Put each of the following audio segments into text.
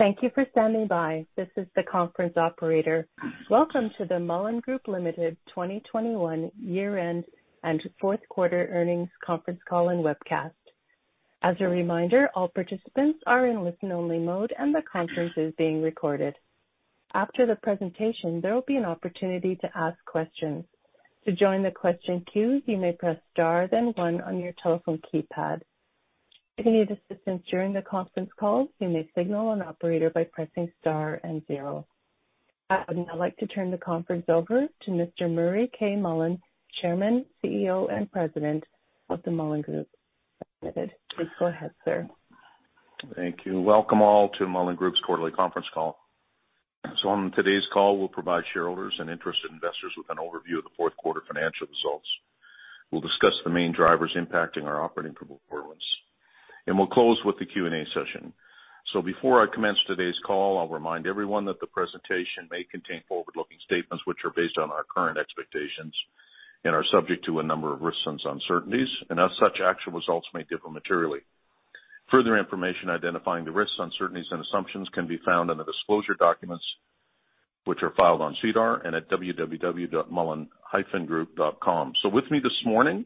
Thank you for standing by. This is the conference operator. Welcome to the Mullen Group Limited 2021 year-end and fourth quarter earnings conference call and webcast. As a reminder, all participants are in listen-only mode and the conference is being recorded. After the presentation, there will be an opportunity to ask questions. To join the question queue, you may press star then one on your telephone keypad. If you need assistance during the conference call, you may signal an operator by pressing star and zero. I would now like to turn the conference over to Mr. Murray K. Mullen, Chairman, CEO and President of the Mullen Group. Please go ahead, sir. Thank you. Welcome all to Mullen Group's quarterly conference call. On today's call, we'll provide shareholders and interested investors with an overview of the fourth quarter financial results. We'll discuss the main drivers impacting our operating performance, and we'll close with the Q&A session. Before I commence today's call, I'll remind everyone that the presentation may contain forward-looking statements which are based on our current expectations and are subject to a number of risks and uncertainties, and as such, actual results may differ materially. Further information identifying the risks, uncertainties, and assumptions can be found in the disclosure documents which are filed on SEDAR and at www.mullen-group.com. With me this morning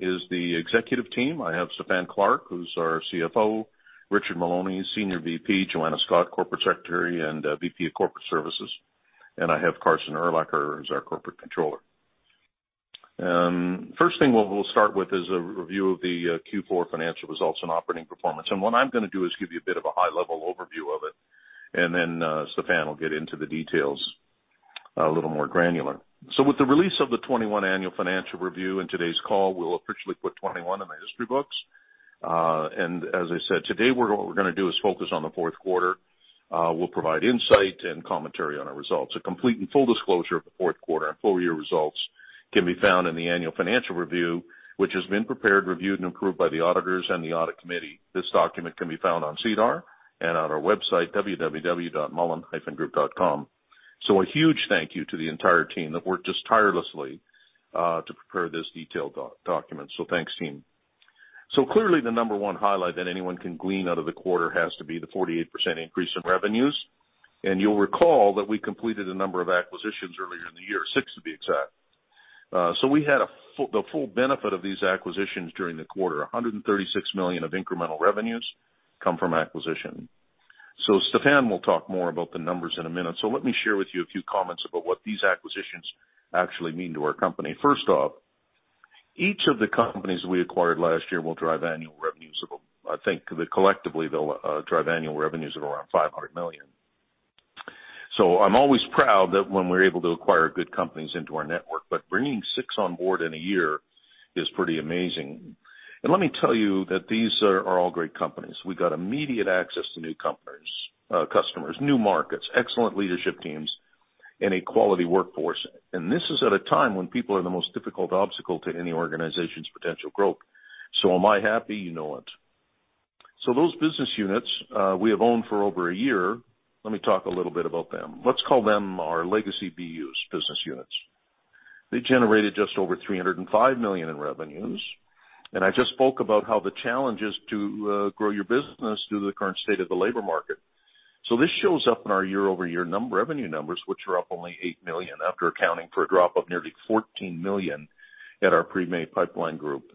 is the executive team. I have Stephen Clark, who's our CFO, Richard Maloney, Senior VP, Joanna Scott, Corporate Secretary and VP of Corporate Services. I have Carson Urlacher, who's our Corporate Controller. First thing what we'll start with is a review of the Q4 financial results and operating performance. What I'm gonna do is give you a bit of a high level overview of it, and then, Stephen will get into the details a little more granular. With the release of the 2021 annual financial review in today's call, we'll officially put 2021 in the history books. As I said, today, what we're gonna do is focus on the fourth quarter. We'll provide insight and commentary on our results. A complete and full disclosure of the fourth quarter and full year results can be found in the annual financial review, which has been prepared, reviewed, and approved by the auditors and the audit committee. This document can be found on SEDAR and on our website, www.mullen-group.com. A huge thank you to the entire team that worked just tirelessly to prepare this detailed document. Thanks, team. Clearly, the number one highlight that anyone can glean out of the quarter has to be the 48% increase in revenues. You'll recall that we completed a number of acquisitions earlier in the year, 6 to be exact. We had the full benefit of these acquisitions during the quarter. 136 million of incremental revenues come from acquisition. Stephen will talk more about the numbers in a minute. Let me share with you a few comments about what these acquisitions actually mean to our company. First off, each of the companies we acquired last year will drive annual revenues of, I think, collectively around 500 million. I'm always proud that when we're able to acquire good companies into our network. Bringing six on board in a year is pretty amazing. Let me tell you that these are all great companies. We got immediate access to new customers, new markets, excellent leadership teams, and a quality workforce. This is at a time when people are the most difficult obstacle to any organization's potential growth. Am I happy? You know it. Those business units we have owned for over a year, let me talk a little bit about them. Let's call them our legacy BUs, business units. They generated just over 305 million in revenues. I just spoke about how the challenge is to grow your business due to the current state of the labor market. This shows up in our year-over-year revenue numbers, which are up only 8 million after accounting for a drop of nearly 14 million at our Premay Pipeline Group.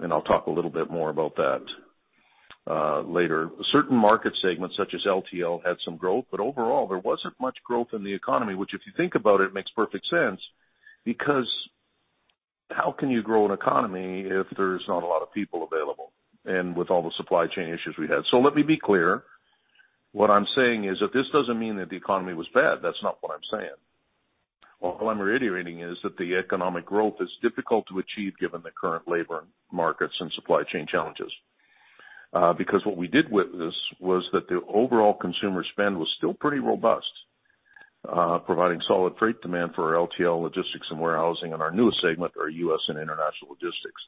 I'll talk a little bit more about that later. Certain market segments, such as LTL, had some growth, but overall, there wasn't much growth in the economy, which, if you think about it, makes perfect sense because how can you grow an economy if there's not a lot of people available and with all the supply chain issues we had? Let me be clear. What I'm saying is that this doesn't mean that the economy was bad. That's not what I'm saying. All I'm reiterating is that the economic growth is difficult to achieve given the current labor markets and supply chain challenges. Because what we did witness was that the overall consumer spend was still pretty robust, providing solid freight demand for our LTL logistics and warehousing in our newest segment, our U.S. and International Logistics.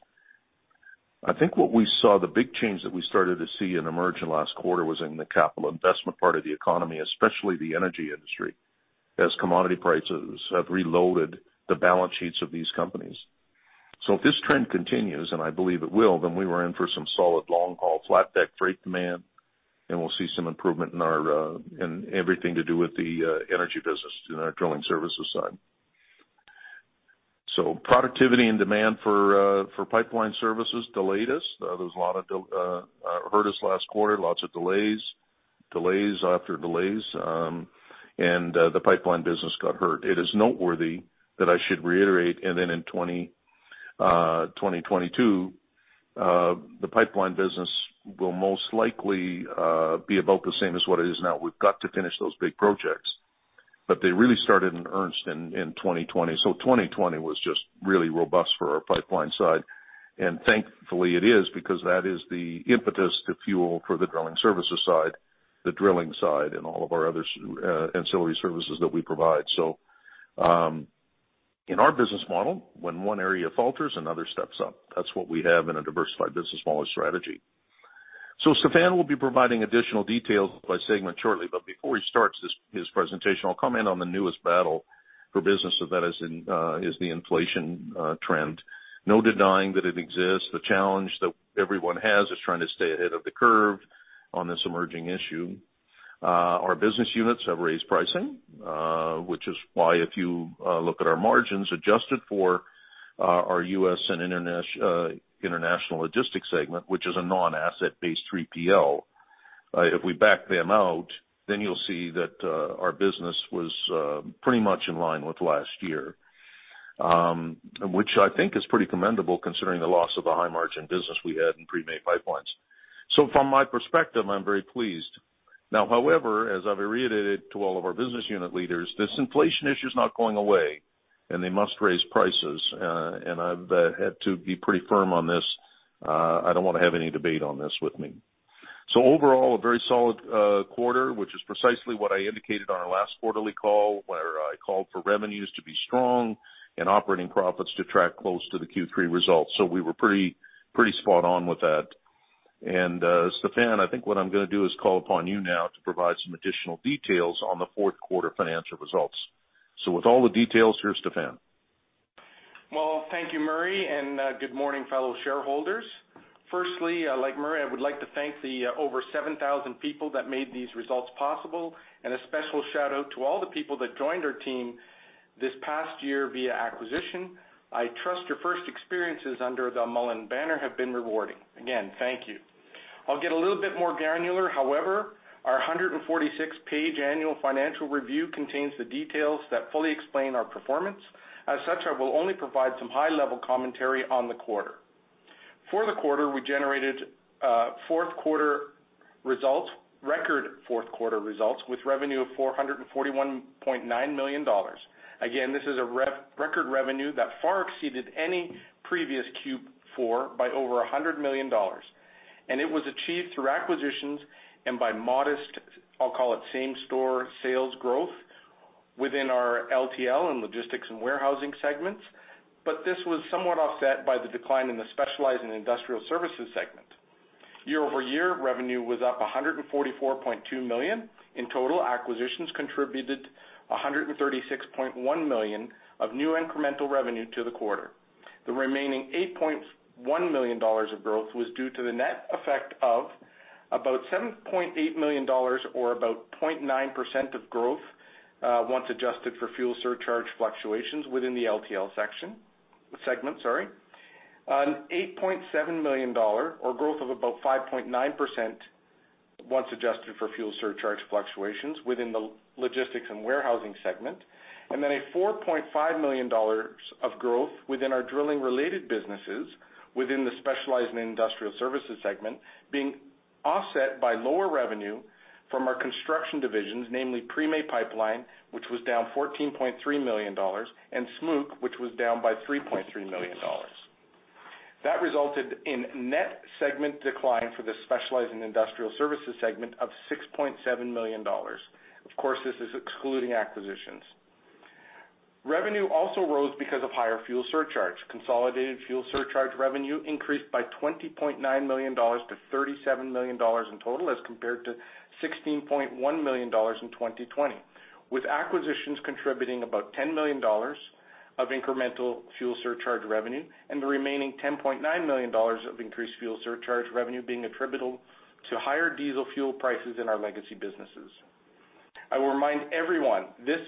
I think what we saw, the big change that we started to see and emerge in last quarter was in the capital investment part of the economy, especially the energy industry, as commodity prices have reloaded the balance sheets of these companies. If this trend continues, and I believe it will, then we were in for some solid long-haul flat deck freight demand, and we'll see some improvement in our, in everything to do with the, energy business in our drilling services side. Productivity and demand for pipeline services delayed us. There was a lot of delays hurt us last quarter, lots of delays after delays, and the pipeline business got hurt. It is noteworthy that I should reiterate, and then in 2022, the pipeline business will most likely be about the same as what it is now. We've got to finish those big projects. They really started in earnest in 2020. 2020 was just really robust for our pipeline side. Thankfully it is because that is the impetus to fuel for the drilling services side, the drilling side, and all of our other ancillary services that we provide. In our business model, when one area falters, another steps up. That's what we have in a diversified business model strategy. Stephen will be providing additional details by segment shortly, but before he starts his presentation, I'll comment on the newest battle for business, that is the inflation trend. No denying that it exists. The challenge that everyone has is trying to stay ahead of the curve on this emerging issue. Our business units have raised pricing, which is why if you look at our margins adjusted for our U.S. and International Logistics segment, which is a non-asset-based 3PL. If we back them out, then you'll see that our business was pretty much in line with last year. Which I think is pretty commendable considering the loss of the high-margin business we had in Premay Pipeline. From my perspective, I'm very pleased. Now, however, as I've reiterated to all of our business unit leaders, this inflation issue is not going away, and they must raise prices. I've had to be pretty firm on this. I don't wanna have any debate on this with me. Overall, a very solid quarter, which is precisely what I indicated on our last quarterly call, where I called for revenues to be strong and operating profits to track close to the Q3 results. We were pretty spot on with that. Stephen, I think what I'm gonna do is call upon you now to provide some additional details on the fourth quarter financial results. With all the details, here's Stephen. Well, thank you, Murray, and good morning, fellow shareholders. Firstly, like Murray, I would like to thank the over 7,000 people that made these results possible, and a special shout-out to all the people that joined our team this past year via acquisition. I trust your first experiences under the Mullen banner have been rewarding. Again, thank you. I'll get a little bit more granular. However, our 146-page annual financial review contains the details that fully explain our performance. As such, I will only provide some high-level commentary on the quarter. For the quarter, we generated fourth quarter results, record fourth quarter results with revenue of 441.9 million dollars. Again, this is a record revenue that far exceeded any previous Q4 by over 100 million dollars. It was achieved through acquisitions and by modest, I'll call it same-store sales growth within our LTL and logistics and warehousing segments. This was somewhat offset by the decline in the specialized and industrial services segment. Year-over-year revenue was up 144.2 million. In total, acquisitions contributed 136.1 million of new incremental revenue to the quarter. The remaining 8.1 million dollars of growth was due to the net effect of about 7.8 million dollars or about 0.9% of growth, once adjusted for fuel surcharge fluctuations within the LTL segment. An 8.7 million dollars of growth of about 5.9% once adjusted for fuel surcharge fluctuations within the logistics and warehousing segment. A 4.5 million dollars of growth within our drilling-related businesses within the specialized and industrial services segment being offset by lower revenue from our construction divisions, namely Premay Pipeline, which was down 14.3 million dollars, and Smook, which was down by 3.3 million dollars. That resulted in net segment decline for the specialized and industrial services segment of 6.7 million dollars. Of course, this is excluding acquisitions. Revenue also rose because of higher fuel surcharge. Consolidated fuel surcharge revenue increased by 20.9 million dollars to 37 million dollars in total as compared to 16.1 million dollars in 2020, with acquisitions contributing about 10 million dollars of incremental fuel surcharge revenue and the remaining 10.9 million dollars of increased fuel surcharge revenue being attributable to higher diesel fuel prices in our legacy businesses. I will remind everyone this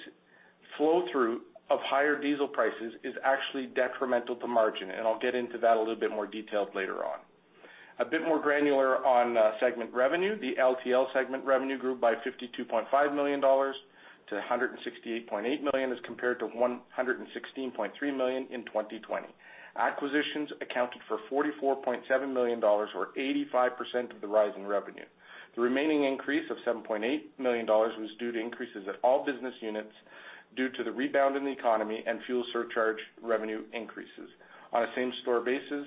flow-through of higher diesel prices is actually detrimental to margin, and I'll get into that a little bit more detailed later on. A bit more granular on segment revenue. The LTL segment revenue grew by 52.5 million dollars to 168.8 million as compared to 116.3 million in 2020. Acquisitions accounted for 44.7 million dollars or 85% of the rise in revenue. The remaining increase of 7.8 million dollars was due to increases at all business units due to the rebound in the economy and fuel surcharge revenue increases. On a same-store basis,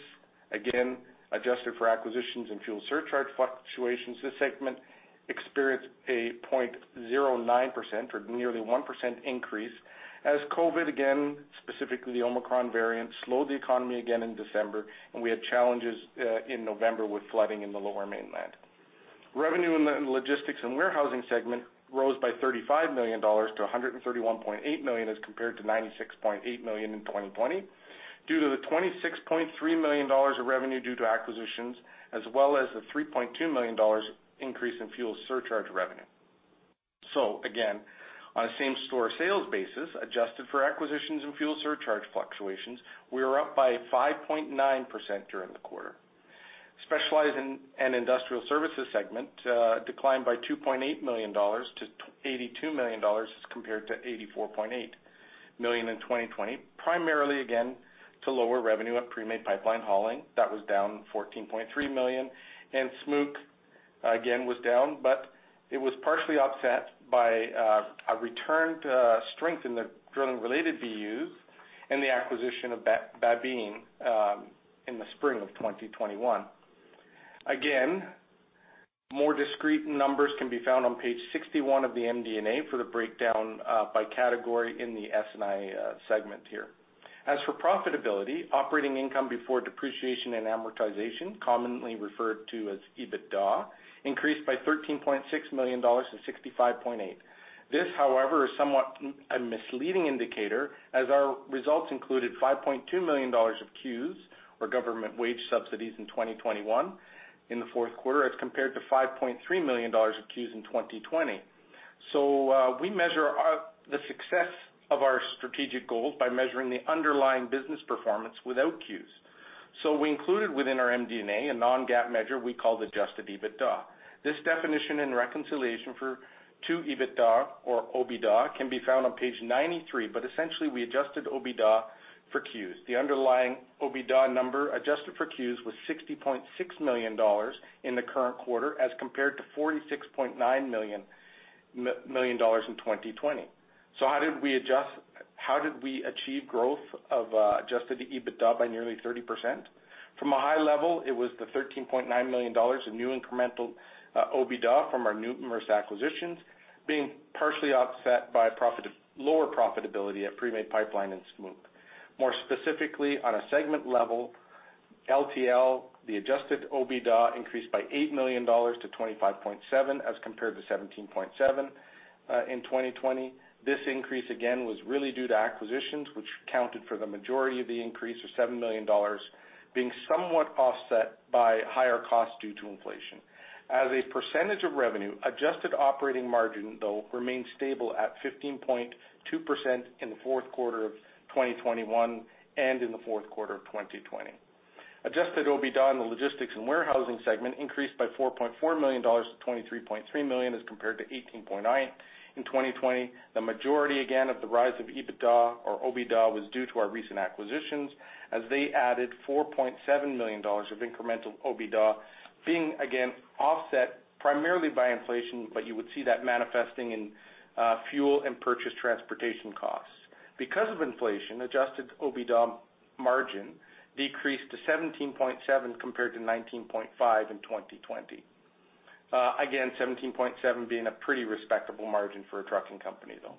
again, adjusted for acquisitions and fuel surcharge fluctuations, this segment experienced a 0.09% or nearly 1% increase as COVID again, specifically the Omicron variant, slowed the economy again in December, and we had challenges in November with flooding in the Lower Mainland. Revenue in the logistics and warehousing segment rose by 35 million dollars to 131.8 million as compared to 96.8 million in 2020 due to the 26.3 million dollars of revenue due to acquisitions as well as the 3.2 million dollars increase in fuel surcharge revenue. Again, on a same-store sales basis, adjusted for acquisitions and fuel surcharge fluctuations, we are up by 5.9% during the quarter. Specialized and Industrial Services segment declined by 2.8 million dollars to 82 million dollars as compared to 84.8 million in 2020, primarily again to lower revenue at Premay Pipeline Hauling. That was down 14.3 million, and Smook, again, was down, but it was partially offset by a return to strength in the drilling-related BUs and the acquisition of Babine in the spring of 2021. Again, more discrete numbers can be found on page 61 of the MD&A for the breakdown by category in the S&I segment here. As for profitability, operating income before depreciation and amortization, commonly referred to as EBITDA, increased by 13.6 million dollars to 65.8. This, however, is somewhat a misleading indicator as our results included 5.2 million dollars of Qs, or government wage subsidies, in 2021 in the fourth quarter as compared to 5.3 million dollars of Qs in 2020. We measure the success of our strategic goals by measuring the underlying business performance without Qs. We included within our MD&A, a non-GAAP measure we call adjusted EBITDA. This definition and reconciliation to EBITDA or OIBDA can be found on page 93, but essentially we adjusted OIBDA for Qs. The underlying OIBDA number adjusted for Qs was 60.6 million dollars in the current quarter as compared to 46.9 million in 2020. How did we achieve growth of adjusted EBITDA by nearly 30%? From a high level, it was the 13.9 million dollars of new incremental OIBDA from our new recent acquisitions being partially offset by lower profitability at Premay Pipeline and Smook. More specifically, on a segment level, LTL, the adjusted OIBDA increased by 8 million dollars to 25.7 as compared to 17.7 in 2020. This increase again was really due to acquisitions which accounted for the majority of the increase of 7 million dollars being somewhat offset by higher costs due to inflation. As a percentage of revenue, adjusted operating margin though remained stable at 15.2% in the fourth quarter of 2021 and in the fourth quarter of 2020. Adjusted OIBDA in the logistics and warehousing segment increased by 4.4 million dollars to 23.3 million as compared to 18.8 million in 2020. The majority again of the rise of EBITDA or OIBDA was due to our recent acquisitions as they added 4.7 million dollars of incremental OIBDA being again offset primarily by inflation, but you would see that manifesting in fuel and purchase transportation costs. Because of inflation, adjusted OIBDA margin decreased to 17.7% compared to 19.5% in 2020. Again, 17.7% being a pretty respectable margin for a trucking company though.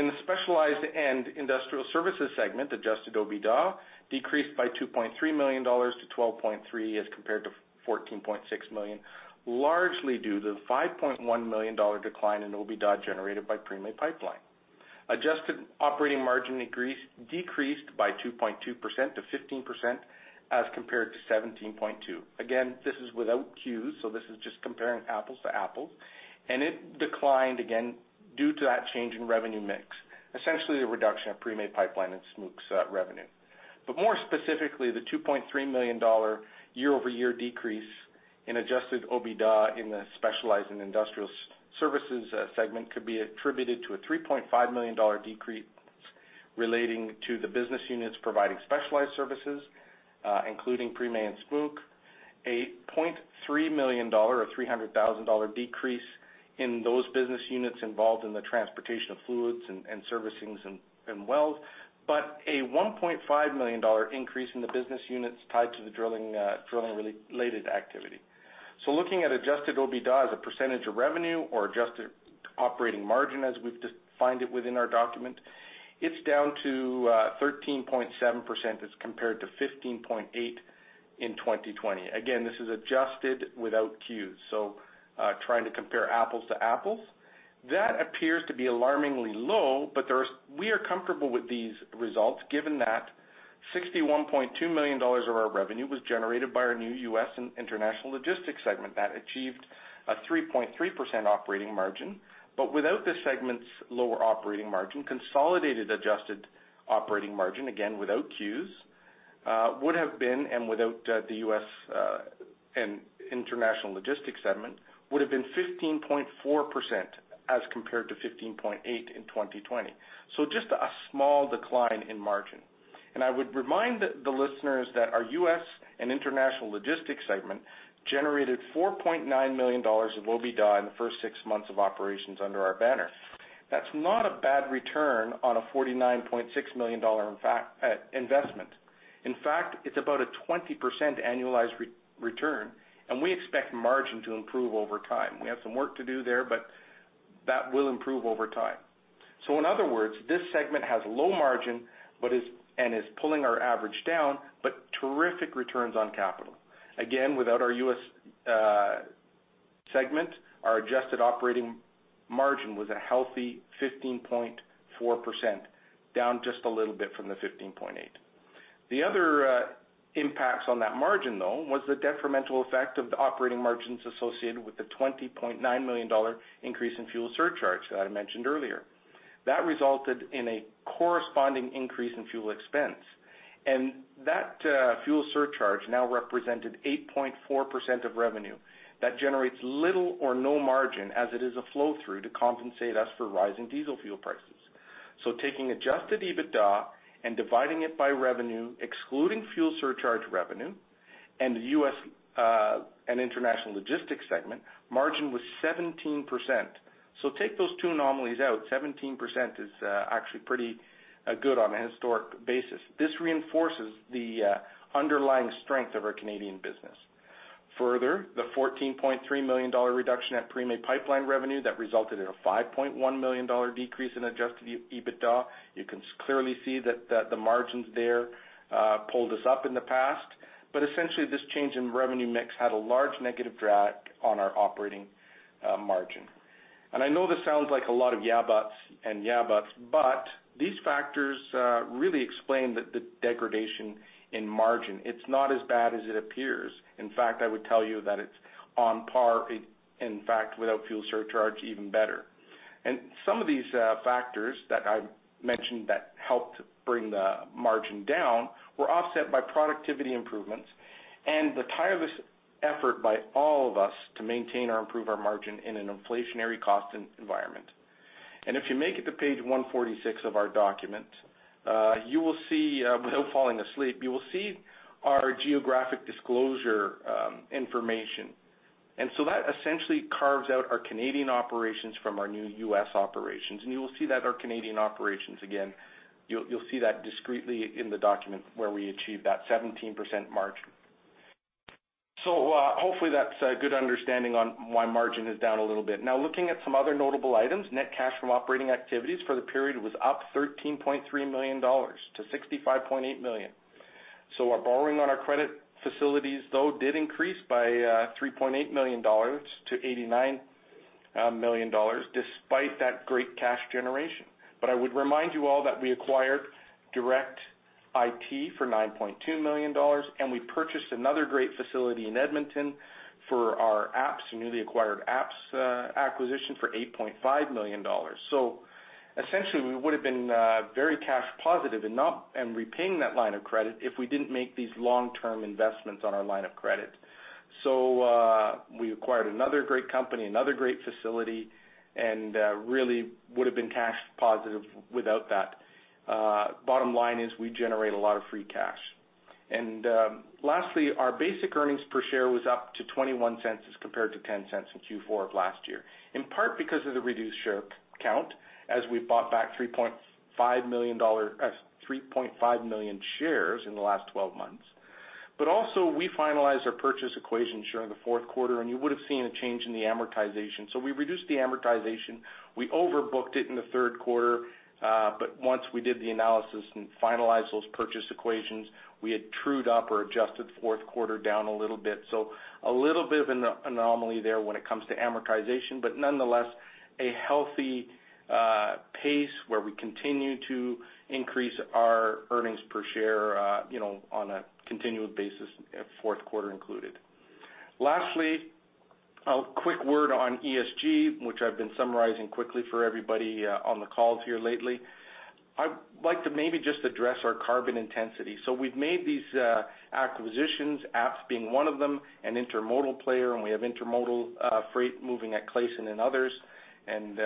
In the Specialized and Industrial Services segment, adjusted OIBDA decreased by 2.3 million dollars to 12.3 million as compared to 14.6 million, largely due to the 5.1 million dollar decline in OIBDA generated by Premay Pipeline. Adjusted operating margin decreased by 2.2% to 15% as compared to 17.2%. Again, this is without Qs, so this is just comparing apples to apples. It declined again due to that change in revenue mix, essentially the reduction of Premay Pipeline and Smook's revenue. More specifically, the 2.3 million dollar year-over-year decrease in adjusted OIBDA in the Specialized and Industrial Services segment could be attributed to a 3.5 million dollar decrease relating to the business units providing specialized services, including Premay and Smook. A 0.3 million dollar or 300,000 dollar decrease in those business units involved in the transportation of fluids and servicings and wells, but a 1.5 million dollar increase in the business units tied to the drilling-related activity. Looking at adjusted OIBDA as a percentage of revenue or adjusted operating margin as we've defined it within our document, it's down to 13.7% as compared to 15.8% in 2020. Again, this is adjusted without Qs, trying to compare apples to apples. That appears to be alarmingly low, but we are comfortable with these results given that 61.2 million dollars of our revenue was generated by our new U.S. & International Logistics segment that achieved a 3.3% operating margin. Without this segment's lower operating margin, consolidated adjusted operating margin, again without Qs, would have been, and without the U.S. and International Logistics segment, would have been 15.4% as compared to 15.8% in 2020. Just a small decline in margin. I would remind the listeners that our U.S. and International Logistics segment generated $4.9 million of OIBDA in the first six months of operations under our banner. That's not a bad return on a $49.6 million investment. In fact, it's about a 20% annualized return, and we expect margin to improve over time. We have some work to do there, but that will improve over time. In other words, this segment has low margin, but is pulling our average down, but terrific returns on capital. Again, without our U.S. segment, our adjusted operating margin was a healthy 15.4%, down just a little bit from the 15.8%. The other impacts on that margin though was the detrimental effect of the operating margins associated with the 20.9 million dollar increase in fuel surcharge that I mentioned earlier. That resulted in a corresponding increase in fuel expense. That fuel surcharge now represented 8.4% of revenue. That generates little or no margin as it is a flow-through to compensate us for rising diesel fuel prices. Taking adjusted EBITDA and dividing it by revenue, excluding fuel surcharge revenue and the U.S. and International Logistics segment, margin was 17%. Take those two anomalies out, 17% is actually pretty good on a historic basis. This reinforces the underlying strength of our Canadian business. Further, the 14.3 million dollar reduction at Premay Pipeline revenue that resulted in a 5.1 million dollar decrease in adjusted EBITDA. You can clearly see that the margins there pulled us up in the past. Essentially, this change in revenue mix had a large negative drag on our operating margin. I know this sounds like a lot of yeah, buts and yeah, buts, but these factors really explain the degradation in margin. It's not as bad as it appears. In fact, I would tell you that it's on par, in fact, without fuel surcharge, even better. Some of these factors that I mentioned that helped bring the margin down were offset by productivity improvements and the tireless effort by all of us to maintain or improve our margin in an inflationary cost environment. If you make it to page 146 of our document, you will see, without falling asleep, you will see our geographic disclosure information. That essentially carves out our Canadian operations from our new U.S. operations. You will see that our Canadian operations, again, you'll see that discretely in the document where we achieved that 17% margin. Hopefully that's a good understanding on why margin is down a little bit. Now looking at some other notable items, net cash from operating activities for the period was up 13.3 million dollars to 65.8 million. Our borrowing on our credit facilities, though, did increase by 3.8 million dollars to 89 million dollars despite that great cash generation. I would remind you all that we acquired Direct IT for 9.2 million dollars, and we purchased another great facility in Edmonton for our APPS, newly acquired APPS acquisition for 8.5 million dollars. Essentially, we would've been very cash positive and repaying that line of credit if we didn't make these long-term investments on our line of credit. We acquired another great company, another great facility, and really would've been cash positive without that. Bottom line is we generate a lot of free cash. Lastly, our basic earnings per share was up to 0.21 as compared to 0.10 in Q4 of last year, in part because of the reduced share count as we bought back 3.5 million shares in the last 12 months. Also, we finalized our purchase price allocation in the fourth quarter, and you would have seen a change in the amortization. We reduced the amortization. We overbooked it in the Q3, but once we did the analysis and finalized those purchase price allocations, we had trued up or adjusted fourth quarter down a little bit. A little bit of an anomaly there when it comes to amortization, but nonetheless, a healthy pace where we continue to increase our earnings per share, you know, on a continual basis, fourth quarter included. Lastly, a quick word on ESG, which I've been summarizing quickly for everybody on the calls here lately. I'd like to maybe just address our carbon intensity. We've made these acquisitions, APPS being one of them, an intermodal player, and we have intermodal freight moving at Kleysen and others, and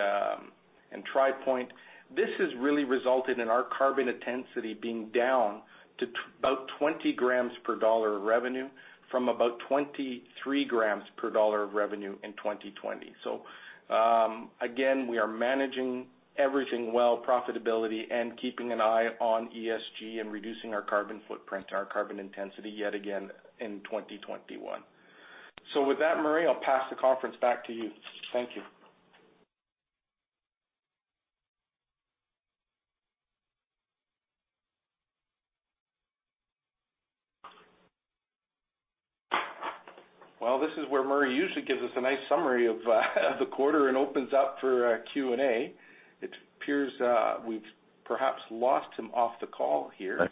TriPoint. This has really resulted in our carbon intensity being down to about 20 grams per dollar of revenue from about 23 grams per dollar of revenue in 2020. Again, we are managing everything well, profitability, and keeping an eye on ESG and reducing our carbon footprint, our carbon intensity yet again in 2021. With that, Murray, I'll pass the conference back to you. Thank you. Well, this is where Murray usually gives us a nice summary of the quarter and opens up for Q&A. It appears, we've perhaps lost him off the call here.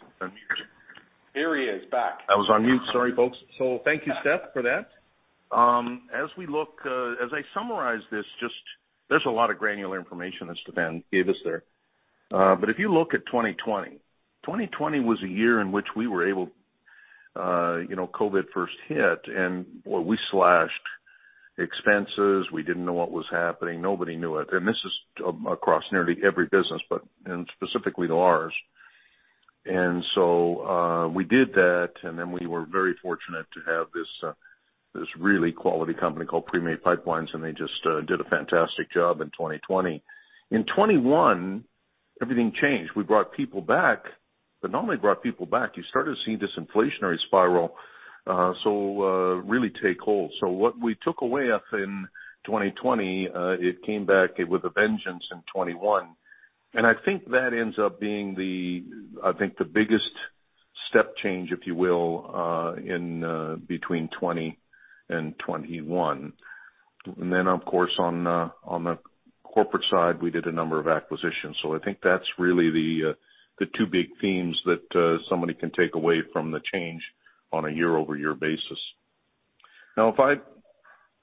Here he is back. I was on mute. Sorry, folks. Thank you, Steph, for that. As we look, as I summarize this, just there's a lot of granular information as Stephen gave us there. If you look at 2020 was a year in which we were able, you know, COVID first hit, and we slashed expenses. We didn't know what was happening. Nobody knew it. This is across nearly every business, but specifically to ours. We did that, and then we were very fortunate to have this really quality company called Premay Pipeline, and they just did a fantastic job in 2020. In 2021, everything changed. We brought people back, but not only brought people back, you started to see this inflationary spiral, so really take hold. What we took away in 2020, it came back with a vengeance in 2021. I think that ends up being the biggest step change, if you will, in between 2020 and 2021. Of course, on the corporate side, we did a number of acquisitions. I think that's really the two big themes that somebody can take away from the change on a year-over-year basis. Now, if I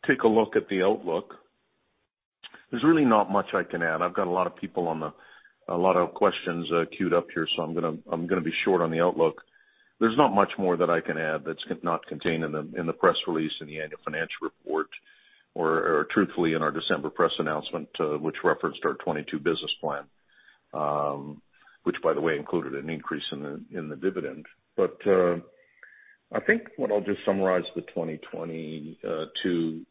take a look at the outlook, there's really not much I can add. I've got a lot of questions queued up here, so I'm gonna be short on the outlook. There's not much more that I can add that's not contained in the press release, in the annual financial report, or truthfully in our December press announcement, which referenced our 2022 business plan, which, by the way, included an increase in the dividend. I think what I'll just summarize the 2022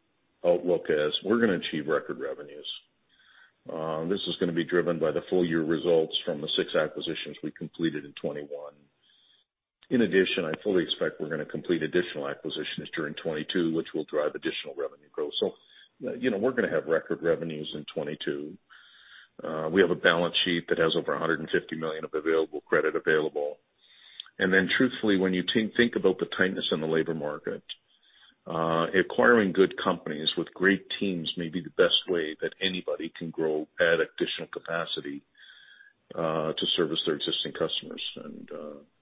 outlook as we're gonna achieve record revenues. This is gonna be driven by the full year results from the 6 acquisitions we completed in 2021. In addition, I fully expect we're gonna complete additional acquisitions during 2022, which will drive additional revenue growth. You know, we're gonna have record revenues in 2022. We have a balance sheet that has over 150 million of available credit. Truthfully, when you think about the tightness in the labor market, acquiring good companies with great teams may be the best way that anybody can grow, add additional capacity, to service their existing customers.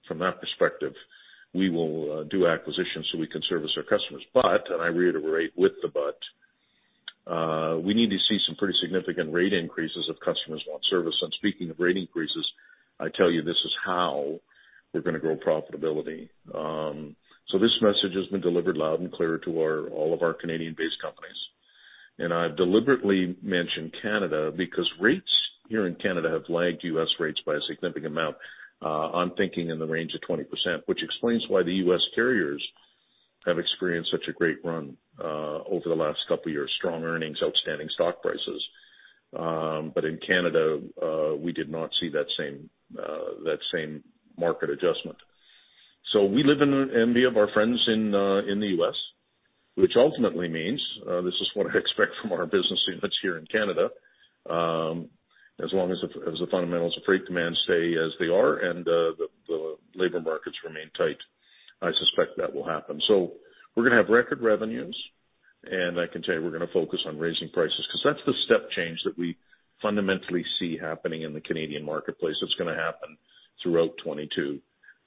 From that perspective, we will do acquisitions so we can service our customers. I reiterate with the but, we need to see some pretty significant rate increases if customers want service. Speaking of rate increases, I tell you this is how we're gonna grow profitability. This message has been delivered loud and clear to all of our Canadian-based companies. I deliberately mention Canada because rates here in Canada have lagged U.S. rates by a significant amount. I'm thinking in the range of 20%, which explains why the U.S. carriers have experienced such a great run over the last couple years. Strong earnings, outstanding stock prices. In Canada, we did not see that same market adjustment. We live in envy of our friends in the U.S., which ultimately means this is what I expect from our business units here in Canada, as long as the fundamentals of freight demand stay as they are and the labor markets remain tight. I suspect that will happen. We're gonna have record revenues, and I can tell you we're gonna focus on raising prices, 'cause that's the step change that we fundamentally see happening in the Canadian marketplace. That's gonna happen throughout 2022.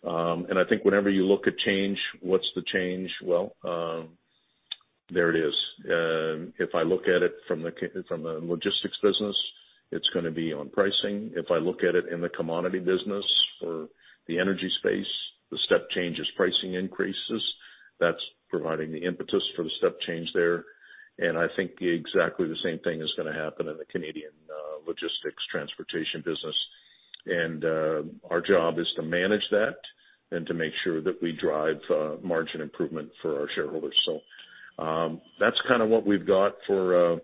I think whenever you look at change, what's the change? Well, there it is. If I look at it from the logistics business, it's gonna be on pricing. If I look at it in the commodity business or the energy space, the step change is pricing increases. That's providing the impetus for the step change there. I think exactly the same thing is gonna happen in the Canadian logistics transportation business. Our job is to manage that and to make sure that we drive margin improvement for our shareholders. That's kinda what we've got for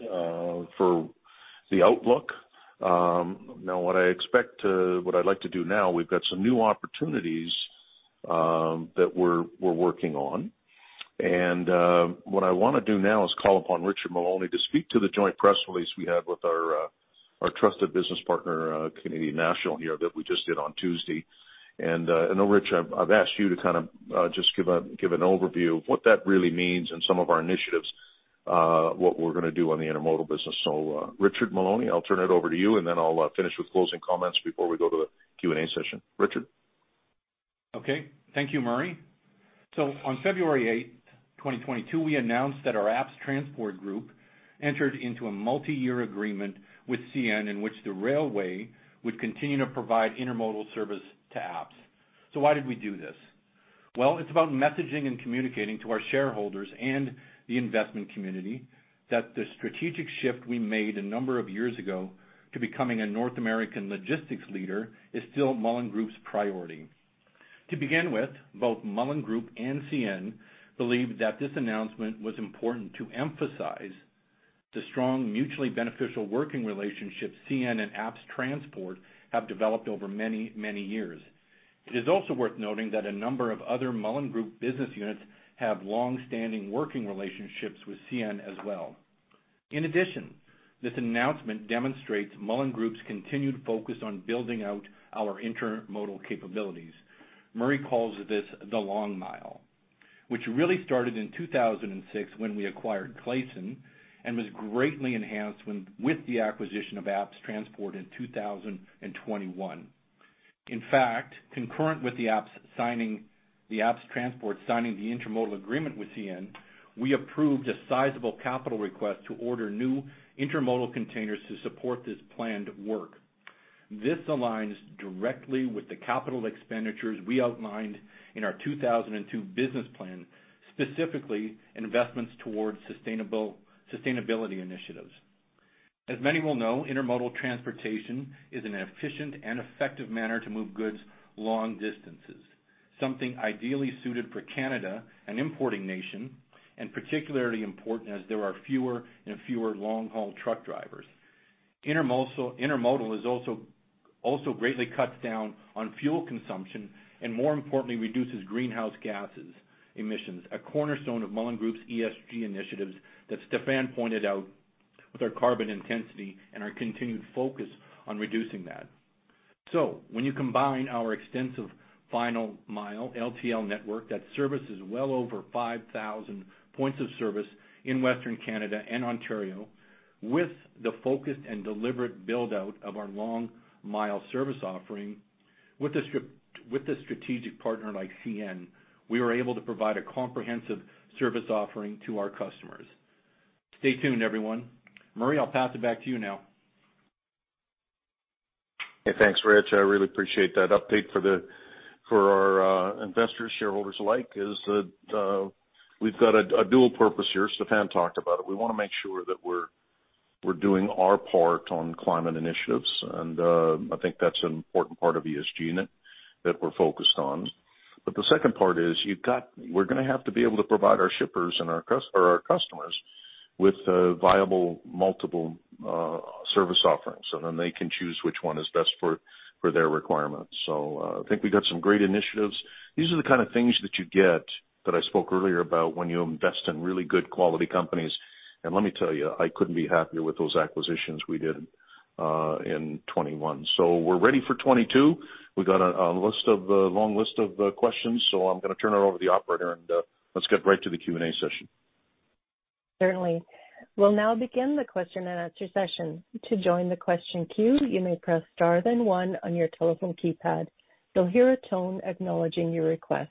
the outlook. Now what I'd like to do now, we've got some new opportunities that we're working on. What I wanna do now is call upon Richard Maloney to speak to the joint press release we had with our trusted business partner Canadian National here that we just did on Tuesday. Now Rich, I've asked you to kind of just give an overview of what that really means and some of our initiatives, what we're gonna do on the intermodal business. Richard Maloney, I'll turn it over to you, and then I'll finish with closing comments before we go to the Q&A session. Richard? Okay. Thank you, Murray. On February 8th, 2022, we announced that our APPS Transport Group entered into a multiyear agreement with CN in which the railway would continue to provide intermodal service to APPS. Why did we do this? Well, it's about messaging and communicating to our shareholders and the investment community that the strategic shift we made a number of years ago to becoming a North American logistics leader is still Mullen Group's priority. To begin with, both Mullen Group and CN believe that this announcement was important to emphasize the strong, mutually beneficial working relationship CN and APPS Transport have developed over many, many years. It is also worth noting that a number of other Mullen Group business units have longstanding working relationships with CN as well. In addition, this announcement demonstrates Mullen Group's continued focus on building out our intermodal capabilities. Murray calls this the long mile, which really started in 2006 when we acquired Kleysen and was greatly enhanced with the acquisition of APPS Transport in 2021. In fact, concurrent with the APPS signing, the APPS Transport signing the intermodal agreement with CN, we approved a sizable capital request to order new intermodal containers to support this planned work. This aligns directly with the capital expenditures we outlined in our 2002 business plan, specifically investments towards sustainability initiatives. As many will know, intermodal transportation is an efficient and effective manner to move goods long distances, something ideally suited for Canada, an importing nation, and particularly important as there are fewer and fewer long-haul truck drivers. Intermodal is also greatly cuts down on fuel consumption, and more importantly, reduces greenhouse gas emissions, a cornerstone of Mullen Group's ESG initiatives that Stephen pointed out with our carbon intensity and our continued focus on reducing that. When you combine our extensive final mile LTL network that services well over 5,000 points of service in Western Canada and Ontario with the focused and deliberate build-out of our long mile service offering with a strategic partner like CN, we are able to provide a comprehensive service offering to our customers. Stay tuned, everyone. Murray, I'll pass it back to you now. Hey, thanks, Rich. I really appreciate that update for our investors, shareholders alike. That is, we've got a dual purpose here. Stephen talked about it. We wanna make sure that we're doing our part on climate initiatives, and I think that's an important part of ESG in it that we're focused on. The second part is we're gonna have to be able to provide our shippers or our customers with viable multiple service offerings, and then they can choose which one is best for their requirements. I think we've got some great initiatives. These are the kinda things that you get that I spoke earlier about when you invest in really good quality companies. Let me tell you, I couldn't be happier with those acquisitions we did in 2021. We're ready for 2022. We've got a long list of questions. I'm gonna turn it over to the operator. Let's get right to the Q&A session. Certainly. We'll now begin the question and answer session. To join the question queue, you may press star then one on your telephone keypad. You'll hear a tone acknowledging your request.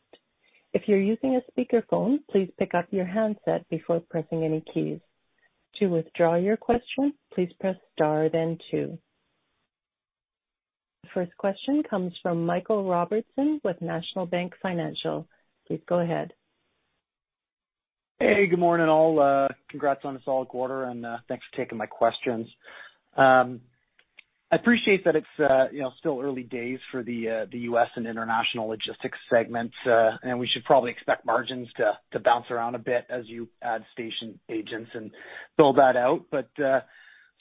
If you're using a speakerphone, please pick up your handset before pressing any keys. To withdraw your question, please press star then two. First question comes from Michael Robertson with National Bank Financial. Please go ahead. Hey, good morning, all. Congrats on a solid quarter, and thanks for taking my questions. I appreciate that it's, you know, still early days for the U.S. and International Logistics segments. We should probably expect margins to bounce around a bit as you add station agents and build that out.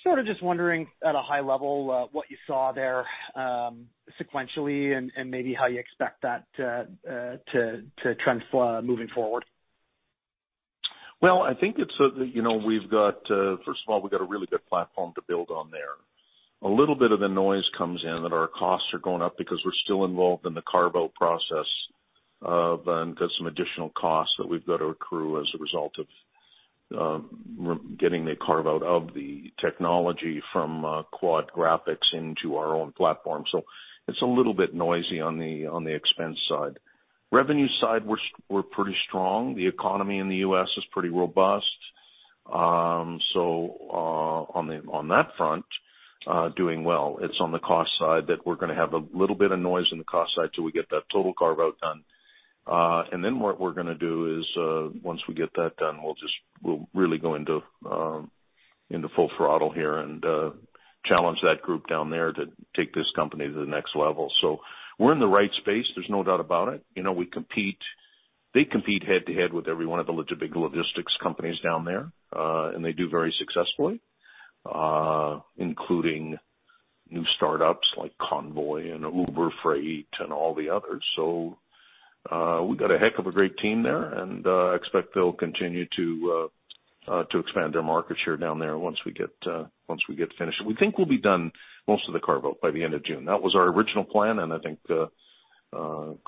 Sorta just wondering at a high level, what you saw there sequentially and maybe how you expect that to trend moving forward. Well, I think it's, you know, we've got, first of all, a really good platform to build on there. A little bit of the noise comes in that our costs are going up because we're still involved in the carve out process and got some additional costs that we've got to accrue as a result of getting the carve out of the technology from Quad/Graphics into our own platform. So it's a little bit noisy on the expense side. Revenue side, we're pretty strong. The economy in the U.S. is pretty robust. So, on that front, doing well. It's on the cost side that we're gonna have a little bit of noise in the cost side till we get that total carve out done. What we're gonna do is, once we get that done, we'll really go into full throttle here and challenge that group down there to take this company to the next level. We're in the right space. There's no doubt about it. You know, we compete. They compete head to head with every one of the big logistics companies down there, and they do very successfully, including new startups like Convoy and Uber Freight and all the others. We've got a heck of a great team there, and I expect they'll continue to expand their market share down there once we get finished. We think we'll be done most of the carve out by the end of June. That was our original plan, and I think,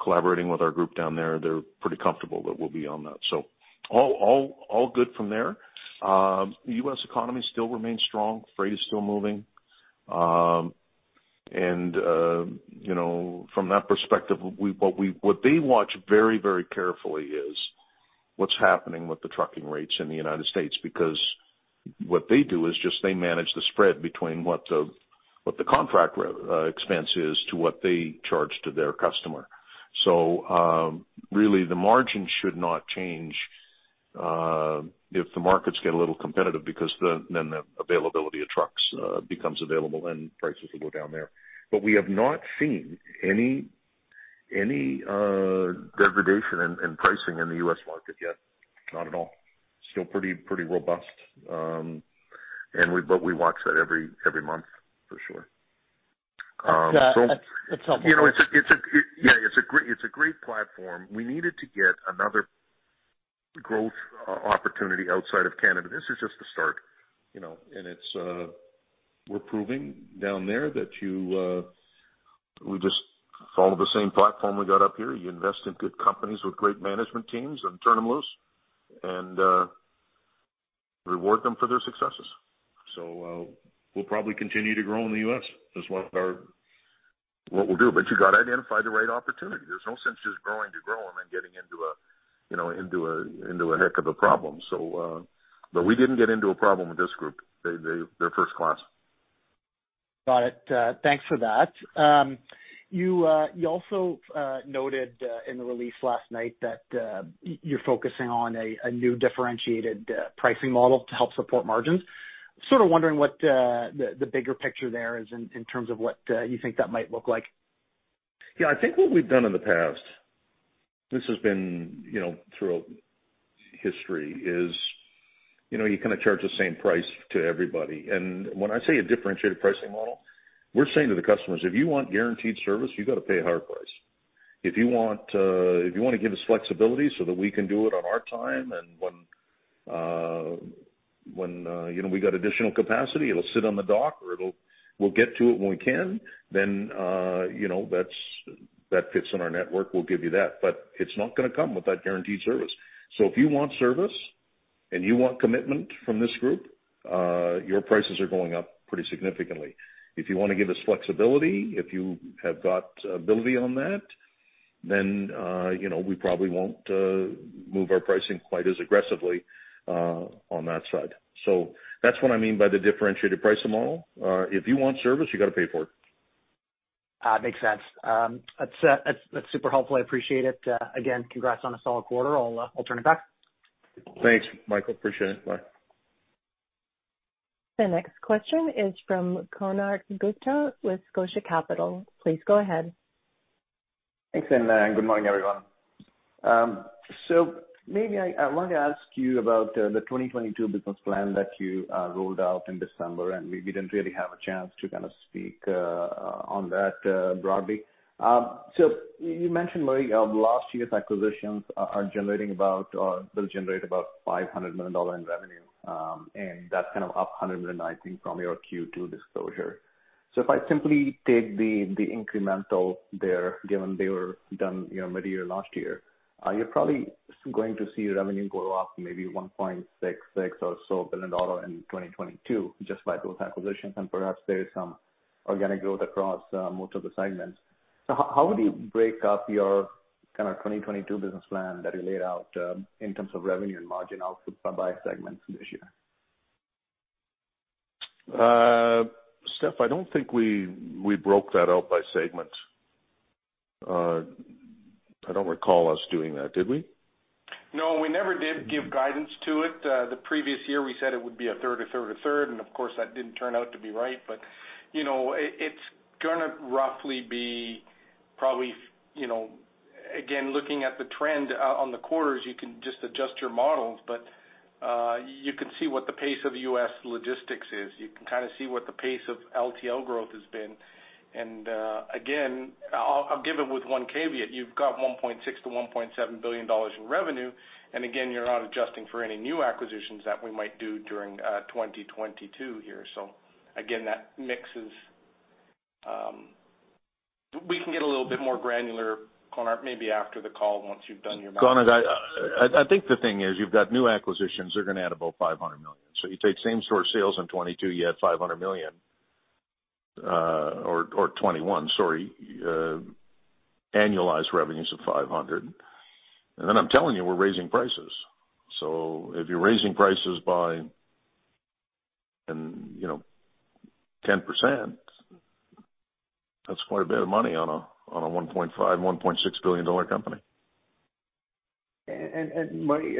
collaborating with our group down there, they're pretty comfortable that we'll be on that. All good from there. The U.S. economy still remains strong. Freight is still moving. You know, from that perspective, what they watch very carefully is what's happening with the trucking rates in the United States, because what they do is just they manage the spread between what the contract expense is to what they charge to their customer. Really the margin should not change if the markets get a little competitive because then the availability of trucks becomes available and prices will go down there. We have not seen any degradation in pricing in the U.S. market yet. Not at all. Still pretty robust. We watch that every month for sure. So- Yeah. That's helpful. You know, it's a great platform. We needed to get another growth opportunity outside of Canada. This is just the start, you know. We're proving down there that we just follow the same platform we got up here. You invest in good companies with great management teams and turn them loose and reward them for their successes. We'll probably continue to grow in the U.S. That's what we'll do. You gotta identify the right opportunity. There's no sense just growing to grow and then getting into a heck of a problem. We didn't get into a problem with this group. They're first class. Got it. Thanks for that. You also noted in the release last night that you're focusing on a new differentiated pricing model to help support margins. Sorta wondering what the bigger picture there is in terms of what you think that might look like? Yeah. I think what we've done in the past, this has been, you know, throughout history, is, you know, you kinda charge the same price to everybody. When I say a differentiated pricing model, we're saying to the customers, "If you want guaranteed service, you gotta pay a higher price. If you wanna give us flexibility so that we can do it on our time and when you know, we got additional capacity, it'll sit on the dock or we'll get to it when we can, then, you know, that fits in our network, we'll give you that, but it's not gonna come with that guaranteed service. If you want service and you want commitment from this group, your prices are going up pretty significantly. If you wanna give us flexibility, if you have got ability on that, then, you know, we probably won't move our pricing quite as aggressively on that side." That's what I mean by the differentiated pricing model. If you want service, you gotta pay for it. Makes sense. That's super helpful. I appreciate it. Again, congrats on a solid quarter. I'll turn it back. Thanks, Michael. Appreciate it. Bye. The next question is from Konark Gupta with Scotia Capital. Please go ahead. Thanks, good morning, everyone. Maybe I want to ask you about the 2022 business plan that you rolled out in December, and we didn't really have a chance to kind of speak on that broadly. You mentioned, Murray, last year's acquisitions are generating about, or they'll generate about 500 million dollar in revenue. That's kind of up 100 million, I think, from your Q2 disclosure. If I simply take the incremental there, given they were done, you know, midyear last year, you're probably going to see revenue grow up maybe 1.66 billion or so in 2022 just by those acquisitions, and perhaps there is some organic growth across multiple segments. How would you break up your kind of 2022 business plan that you laid out, in terms of revenue and margin output by segment this year? Steph, I don't think we broke that out by segment. I don't recall us doing that. Did we? No, we never did give guidance to it. The previous year we said it would be a third, and of course, that didn't turn out to be right. You know, it's gonna roughly be probably, you know, again, looking at the trend on the quarters, you can just adjust your models. You can see what the pace of U.S. logistics is. You can kinda see what the pace of LTL growth has been. Again, I'll give it with one caveat. You've got 1.6 billion-1.7 billion dollars in revenue, and again, you're not adjusting for any new acquisitions that we might do during 2022 here. Again, that mix is. We can get a little bit more granular, Konark, maybe after the call once you've done your models. Konark, I think the thing is you've got new acquisitions, they're gonna add about 500 million. You take same store sales in 2022, you add 500 million, or 2021, sorry. Annualized revenues of 500 million. I'm telling you, we're raising prices. If you're raising prices by, you know, 10%, that's quite a bit of money on a 1.5-1.6 billion dollar company. Murray,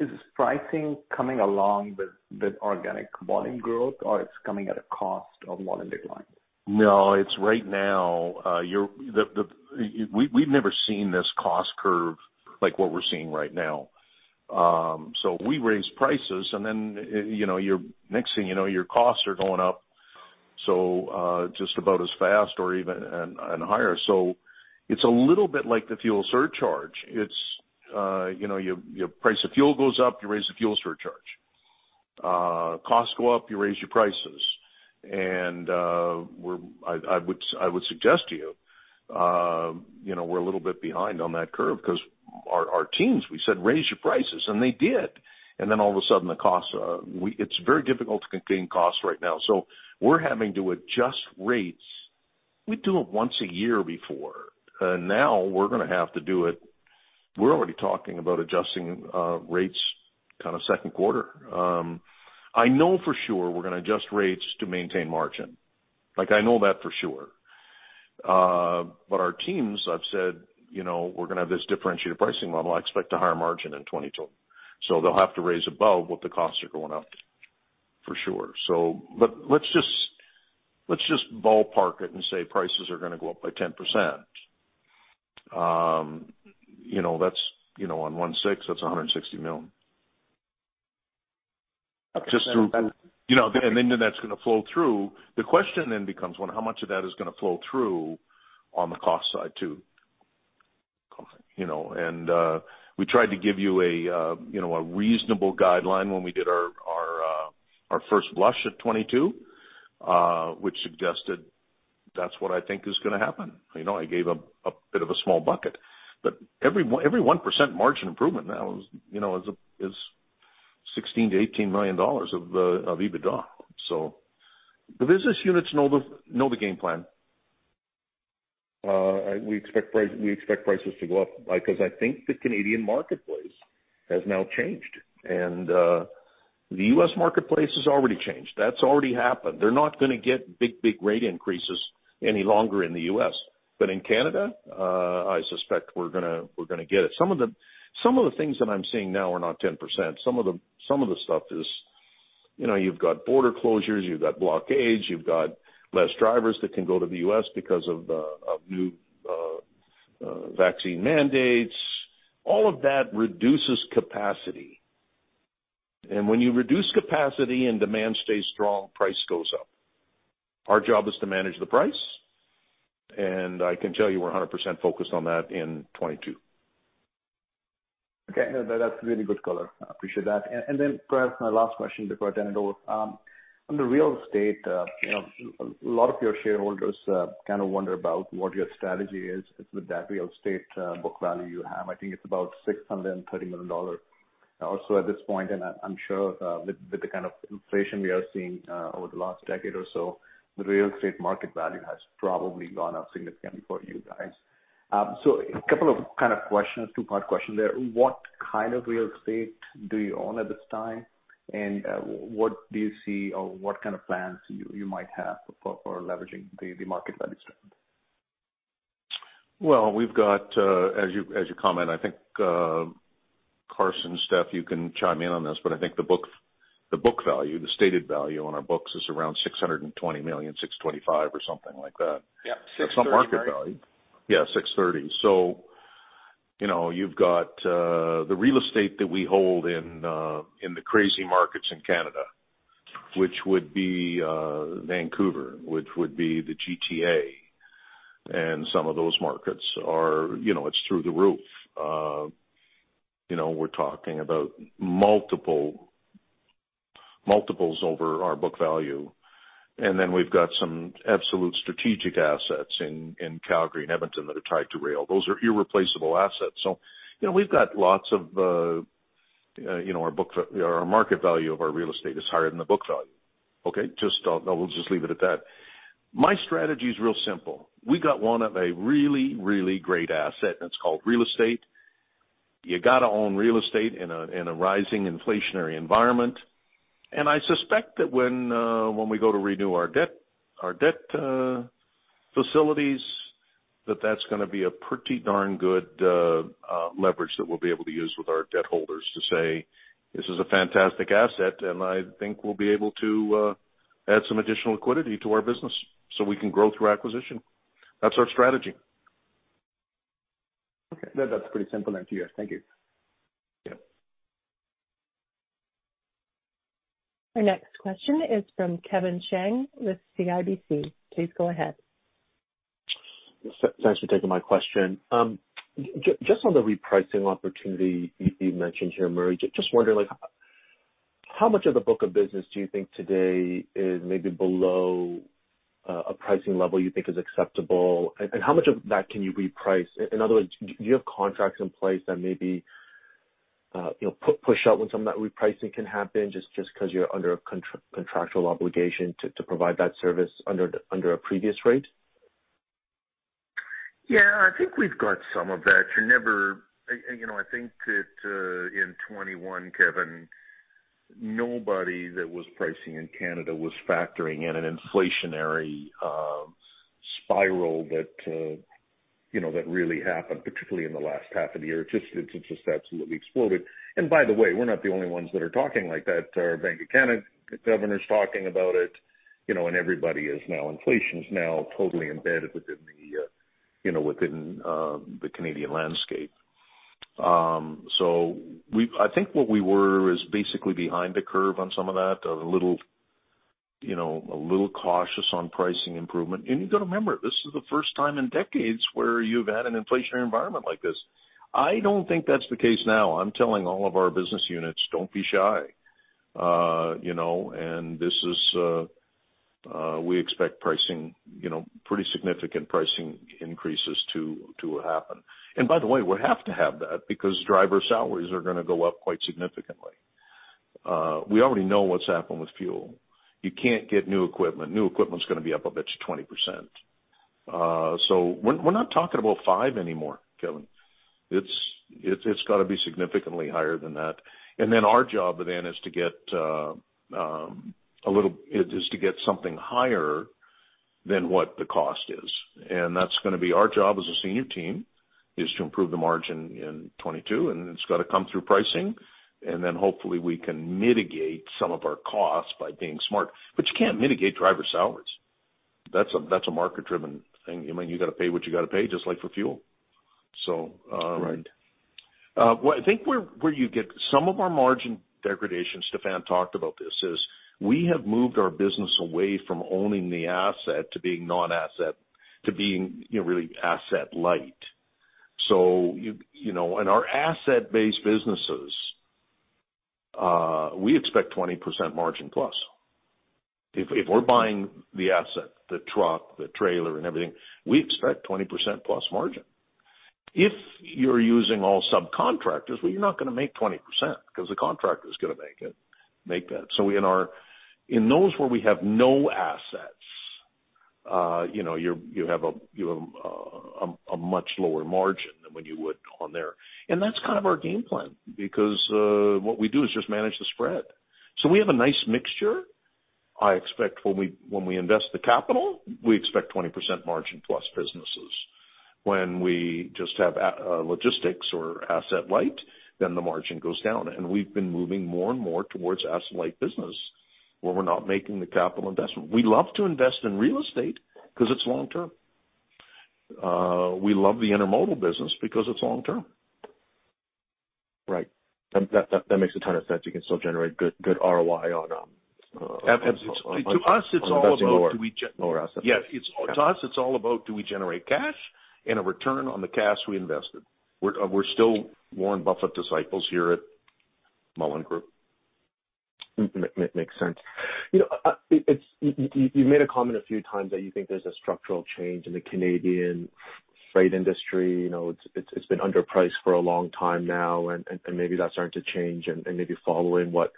is pricing coming along with organic volume growth, or it's coming at a cost of volume decline? No, it's right now. We've never seen this cost curve like what we're seeing right now. We raise prices and then, you know, next thing you know, your costs are going up just about as fast or even higher. It's a little bit like the fuel surcharge. You know, your price of fuel goes up, you raise the fuel surcharge. Costs go up, you raise your prices. I would suggest to you know, we're a little bit behind on that curve 'cause our teams, we said, "Raise your prices," and they did. Then all of a sudden the costs, it's very difficult to contain costs right now. We're having to adjust rates. We'd do it once a year before. Now we're gonna have to do it. We're already talking about adjusting rates end of Q2. I know for sure we're gonna adjust rates to maintain margin. Like, I know that for sure. Our teams, I've said, you know, we're gonna have this differentiated pricing model. I expect a higher margin in 2022. They'll have to raise above what the costs are going up, for sure. Let's just ballpark it and say prices are gonna go up by 10%. You know, that's, you know, on 160, that's 160 million. Just to- You know, that's gonna flow through. The question then becomes, well, how much of that is gonna flow through on the cost side too? You know, and we tried to give you a you know a reasonable guideline when we did our first blush at 2022, which suggested that's what I think is gonna happen. You know, I gave a bit of a small bucket. Every 1% margin improvement now is, you know, is 16 million-18 million dollars of EBITDA. The business units know the game plan. We expect prices to go up, like, 'cause I think the Canadian marketplace has now changed. The U.S. marketplace has already changed. That's already happened. They're not gonna get big, big rate increases any longer in the U.S. In Canada, I suspect we're gonna get it. Some of the things that I'm seeing now are not 10%. Some of the stuff is, you know, you've got border closures, you've got blockades, you've got less drivers that can go to the U.S. because of new vaccine mandates. All of that reduces capacity. When you reduce capacity and demand stays strong, price goes up. Our job is to manage the price, and I can tell you we're 100% focused on that in 2022. Okay. No, that's really good color. I appreciate that. Then perhaps my last question before I turn it over. On the real estate, you know, a lot of your shareholders kind of wonder about what your strategy is with that real estate book value you have. I think it's about 630 million dollars also at this point. I'm sure with the kind of inflation we are seeing over the last decade or so, the real estate market value has probably gone up significantly for you guys. A couple of kind of questions, two-part question there. What kind of real estate do you own at this time? What do you see or what kind of plans you might have for leveraging the market value strength? Well, we've got, as you comment, I think, Carson, Steph, you can chime in on this, but I think the book value, the stated value on our books is around 620 million, 625 or something like that. Yeah. 6:30. That's not market value. Yeah, 6.30. You know, you've got the real estate that we hold in the crazy markets in Canada, which would be Vancouver, which would be the GTA. Some of those markets are, you know, it's through the roof. You know, we're talking about multiples over our book value. Then we've got some absolute strategic assets in Calgary and Edmonton that are tied to rail. Those are irreplaceable assets. You know, we've got lots of, you know, our book or our market value of our real estate is higher than the book value. Okay, we'll just leave it at that. My strategy is real simple. We got one of a really, really great asset, and it's called real estate. You gotta own real estate in a rising inflationary environment. I suspect that when we go to renew our debt facilities, that's gonna be a pretty darn good leverage that we'll be able to use with our debt holders to say, "This is a fantastic asset," and I think we'll be able to add some additional liquidity to our business so we can grow through acquisition. That's our strategy. Okay. That's pretty simple answer. Yes. Thank you. Yeah. Our next question is from Kevin Chiang with CIBC. Please go ahead. Thanks for taking my question. Just on the repricing opportunity you mentioned here, Murray, just wondering, like, how much of the book of business do you think today is maybe below a pricing level you think is acceptable? How much of that can you reprice? In other words, do you have contracts in place that maybe you know push out when some of that repricing can happen just 'cause you're under a contractual obligation to provide that service under a previous rate? Yeah. I think we've got some of that. You know, I think that in 2021, Kevin, nobody that was pricing in Canada was factoring in an inflationary spiral that really happened, particularly in the last half of the year. It's just absolutely exploded. By the way, we're not the only ones that are talking like that. Our Bank of Canada governor's talking about it, you know, and everybody is now. Inflation's now totally embedded within the Canadian landscape. I think what we were is basically behind the curve on some of that, a little cautious on pricing improvement. You gotta remember, this is the first time in decades where you've had an inflationary environment like this. I don't think that's the case now. I'm telling all of our business units, "Don't be shy." You know, this is we expect pricing, you know, pretty significant pricing increases to happen. By the way, we have to have that because driver salaries are gonna go up quite significantly. We already know what's happened with fuel. You can't get new equipment. New equipment's gonna be up a bit to 20%. We're not talking about 5 anymore, Kevin. It's gotta be significantly higher than that. Our job then is to get something higher than what the cost is. That's gonna be our job as a senior team, is to improve the margin in 2022, and it's gotta come through pricing. Hopefully we can mitigate some of our costs by being smart. You can't mitigate driver salaries. That's a market-driven thing. I mean, you gotta pay what you gotta pay, just like for fuel. Right. What I think where you get some of our margin degradation, Stephen talked about this, is we have moved our business away from owning the asset to being non-asset, to being, you know, really asset light. You know, and our asset-based businesses, we expect 20% margin plus. If we're buying the asset, the truck, the trailer and everything, we expect 20% plus margin. If you're using all subcontractors, well, you're not gonna make 20% because the contractor's gonna make that. In those where we have no assets, you know, you have a much lower margin than when you would on there. That's kind of our game plan because what we do is just manage the spread. We have a nice mixture. I expect when we invest the capital, we expect 20% margin plus businesses. When we just have logistics or asset light, then the margin goes down. We've been moving more and more towards asset light business where we're not making the capital investment. We love to invest in real estate 'cause it's long term. We love the intermodal business because it's long term. Right. That makes a ton of sense. You can still generate good ROI on- To us, it's all about do we ge- On investing lower assets. Yeah. It's, to us, it's all about do we generate cash and a return on the cash we invested. We're still Warren Buffett disciples here at Mullen Group. Makes sense. You know, you made a comment a few times that you think there's a structural change in the Canadian freight industry. You know, it's been underpriced for a long time now, and maybe that's starting to change and maybe following what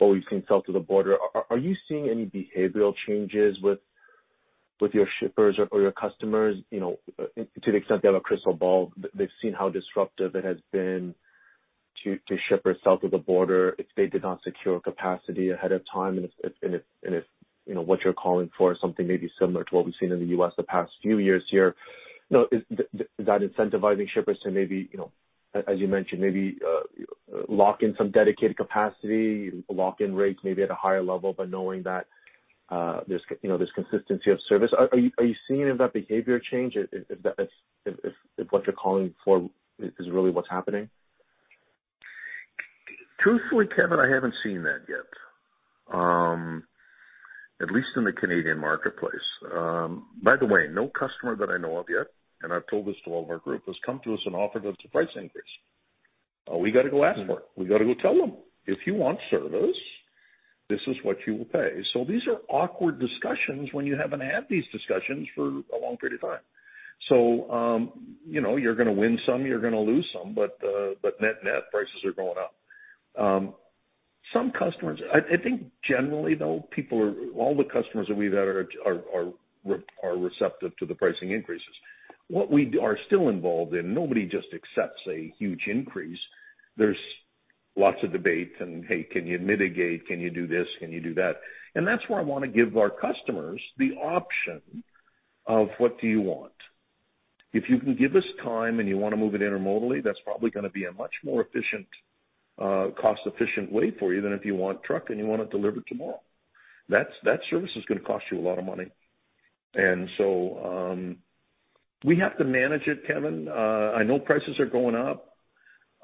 we've seen south of the border. Are you seeing any behavioral changes with your shippers or your customers? You know, to the extent they have a crystal ball, they've seen how disruptive it has been to ship across the border if they did not secure capacity ahead of time, and if you know, what you're calling for is something maybe similar to what we've seen in the US the past few years here. You know, is that incentivizing shippers to maybe, you know, as you mentioned, maybe lock in some dedicated capacity, lock in rates maybe at a higher level, but knowing that there's consistency of service. Are you seeing any of that behavior change if that's what you're calling for is really what's happening? Truthfully, Kevin, I haven't seen that yet. At least in the Canadian marketplace. By the way, no customer that I know of yet, and I've told this to all of our group, has come to us and offered us a price increase. We gotta go ask for it. We gotta go tell them, "If you want service, this is what you will pay." These are awkward discussions when you haven't had these discussions for a long period of time. You know, you're gonna win some, you're gonna lose some, but net-net prices are going up. Some customers, I think generally though, all the customers that we've had are receptive to the pricing increases. What we are still involved in, nobody just accepts a huge increase. There's lots of debate and, "Hey, can you mitigate? Can you do this? Can you do that? That's where I wanna give our customers the option of what do you want. If you can give us time and you wanna move it intermodally, that's probably gonna be a much more efficient, cost-efficient way for you than if you want truck and you want it delivered tomorrow. That service is gonna cost you a lot of money. We have to manage it, Kevin. I know prices are going up,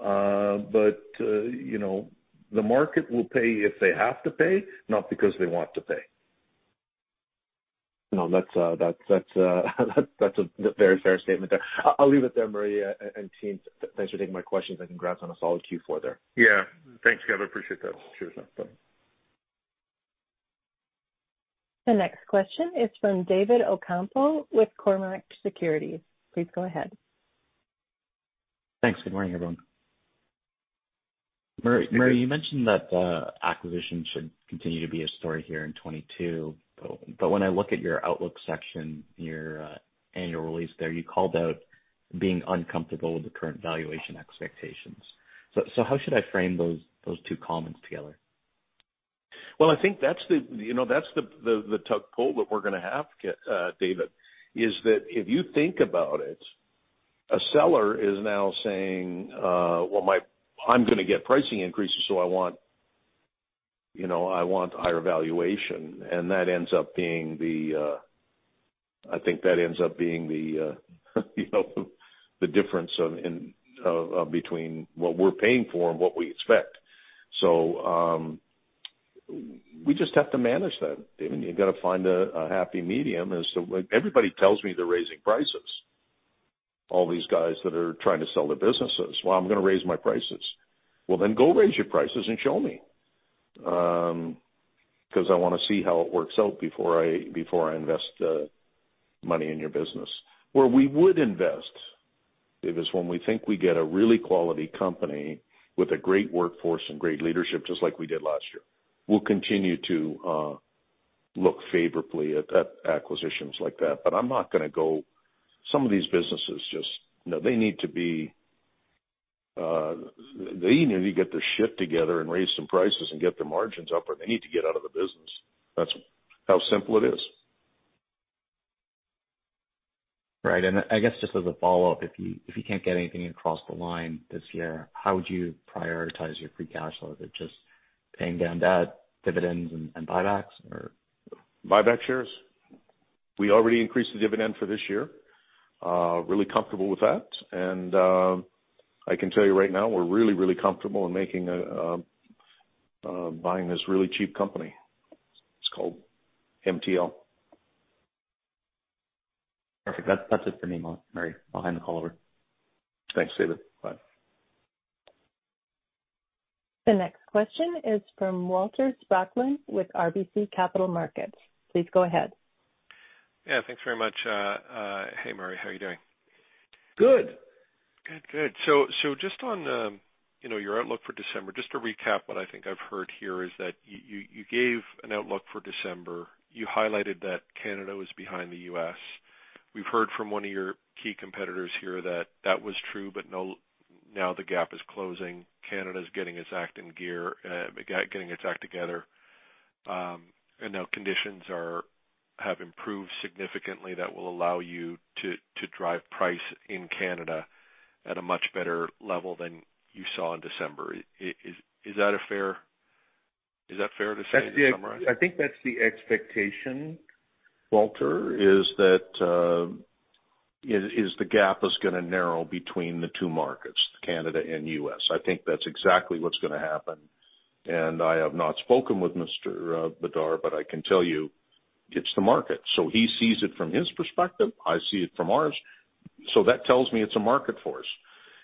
but you know, the market will pay if they have to pay, not because they want to pay. No, that's a very fair statement there. I'll leave it there, Murray, and team. Thanks for taking my questions and congrats on a solid Q4 there. Yeah. Thanks, Kevin. Appreciate that. Cheers. Bye. The next question is from David Ocampo with Cormark Securities. Please go ahead. Thanks. Good morning, everyone. Murray- Good day. Murray, you mentioned that acquisition should continue to be a story here in 2022. When I look at your outlook section, your annual release there, you called out being uncomfortable with the current valuation expectations. How should I frame those two comments together? Well, I think that's the, you know, that's the tug pull that we're gonna have, David, is that if you think about it, a seller is now saying, "Well, I'm gonna get pricing increases, so I want, you know, I want higher valuation." That ends up being the, I think that ends up being the, you know, the difference between what we're paying for and what we expect. We just have to manage that, David. You've gotta find a happy medium. When everybody tells me they're raising prices, all these guys that are trying to sell their businesses, "Well, I'm gonna raise my prices." Well, then go raise your prices and show me. 'Cause I wanna see how it works out before I invest money in your business. Where we would invest, David, is when we think we get a really quality company with a great workforce and great leadership, just like we did last year. We'll continue to look favorably at acquisitions like that. But I'm not gonna go. Some of these businesses just, you know, they need to get their act together and raise some prices and get their margins up, or they need to get out of the business. That's how simple it is. Right. I guess just as a follow-up, if you can't get anything across the line this year, how would you prioritize your free cash flow? Is it just paying down debt, dividends, and buybacks, or? Buyback shares. We already increased the dividend for this year. Really comfortable with that. I can tell you right now, we're really comfortable in making a buy in this really cheap company. It's called MTL. Perfect. That's it for me, Murray. I'll hand the call over. Thanks, David. Bye. The next question is from Walter Spracklin with RBC Capital Markets. Please go ahead. Yeah. Thanks very much. Hey, Murray. How are you doing? Good. Good. Just on, you know, your outlook for December, just to recap what I think I've heard here is that you gave an outlook for December. You highlighted that Canada was behind the U.S. We've heard from one of your key competitors here that that was true, but now the gap is closing. Canada's getting its act together, and now conditions have improved significantly that will allow you to drive price in Canada at a much better level than you saw in December. Is that fair to say, to summarize? I think that's the expectation, Walter, is that the gap is gonna narrow between the two markets, Canada and U.S. I think that's exactly what's gonna happen. I have not spoken with Mr. Bedard, but I can tell you it's the market. He sees it from his perspective, I see it from ours. That tells me it's a market force,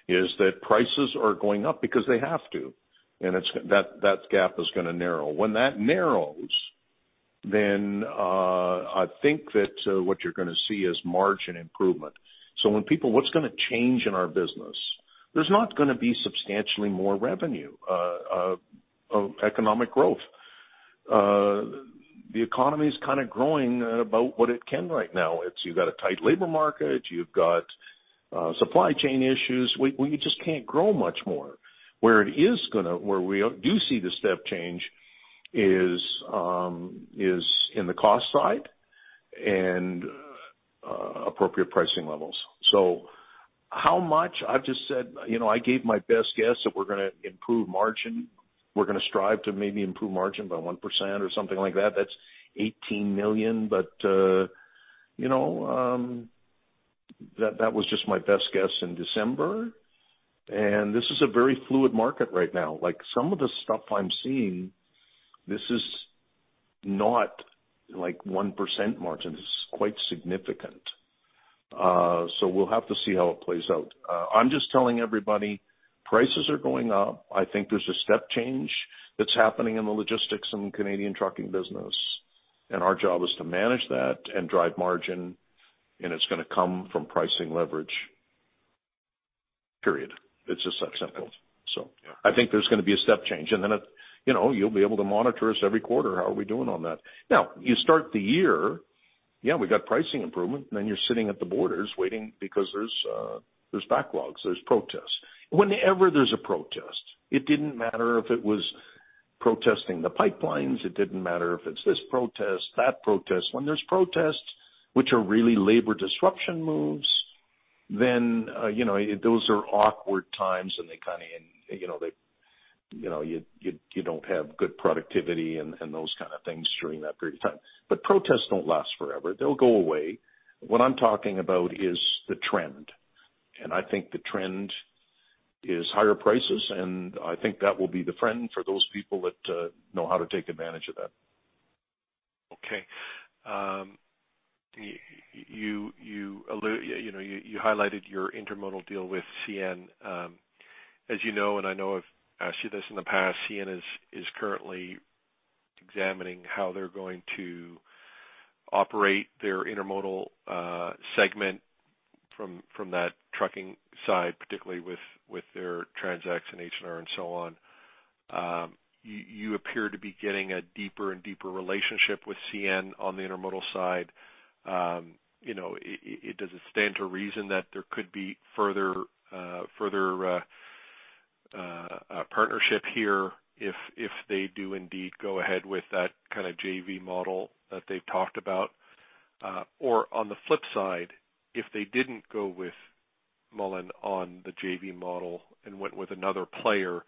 is that prices are going up because they have to, and that gap is gonna narrow. When that narrows, then I think that what you're gonna see is margin improvement. What's gonna change in our business? There's not gonna be substantially more revenue from economic growth. The economy is kind of growing at about what it can right now. You've got a tight labor market. You've got supply chain issues. We just can't grow much more. Where we do see the step change is in the cost side and appropriate pricing levels. How much? I've just said, you know, I gave my best guess that we're gonna improve margin. We're gonna strive to maybe improve margin by 1% or something like that. That's 18 million. But you know that was just my best guess in December. This is a very fluid market right now. Like some of the stuff I'm seeing, this is not like 1% margin. This is quite significant. We'll have to see how it plays out. I'm just telling everybody prices are going up. I think there's a step change that's happening in the logistics and Canadian trucking business, and our job is to manage that and drive margin, and it's gonna come from pricing leverage, period. It's as simple as that. I think there's gonna be a step change. It, you know, you'll be able to monitor us every quarter. How are we doing on that? Now you start the year, yeah, we got pricing improvement, and then you're sitting at the borders waiting because there's backlogs, there's protests. Whenever there's a protest, it didn't matter if it was protesting the pipelines. It didn't matter if it's this protest, that protest. When there's protests, which are really labor disruption moves, then you know those are awkward times, and you know you don't have good productivity and those kind of things during that period of time. But protests don't last forever. They'll go away. What I'm talking about is the trend, and I think the trend is higher prices. I think that will be the trend for those people that know how to take advantage of that. Okay. You know, you highlighted your intermodal deal with CN. As you know, I know I've asked you this in the past. CN is currently examining how they're going to operate their intermodal segment from that trucking side, particularly with their TransX and H&R and so on. You appear to be getting a deeper and deeper relationship with CN on the intermodal side. You know, does it stand to reason that there could be further partnership here if they do indeed go ahead with that kind of JV model that they've talked about? On the flip side, if they didn't go with Mullen on the JV model and went with another player,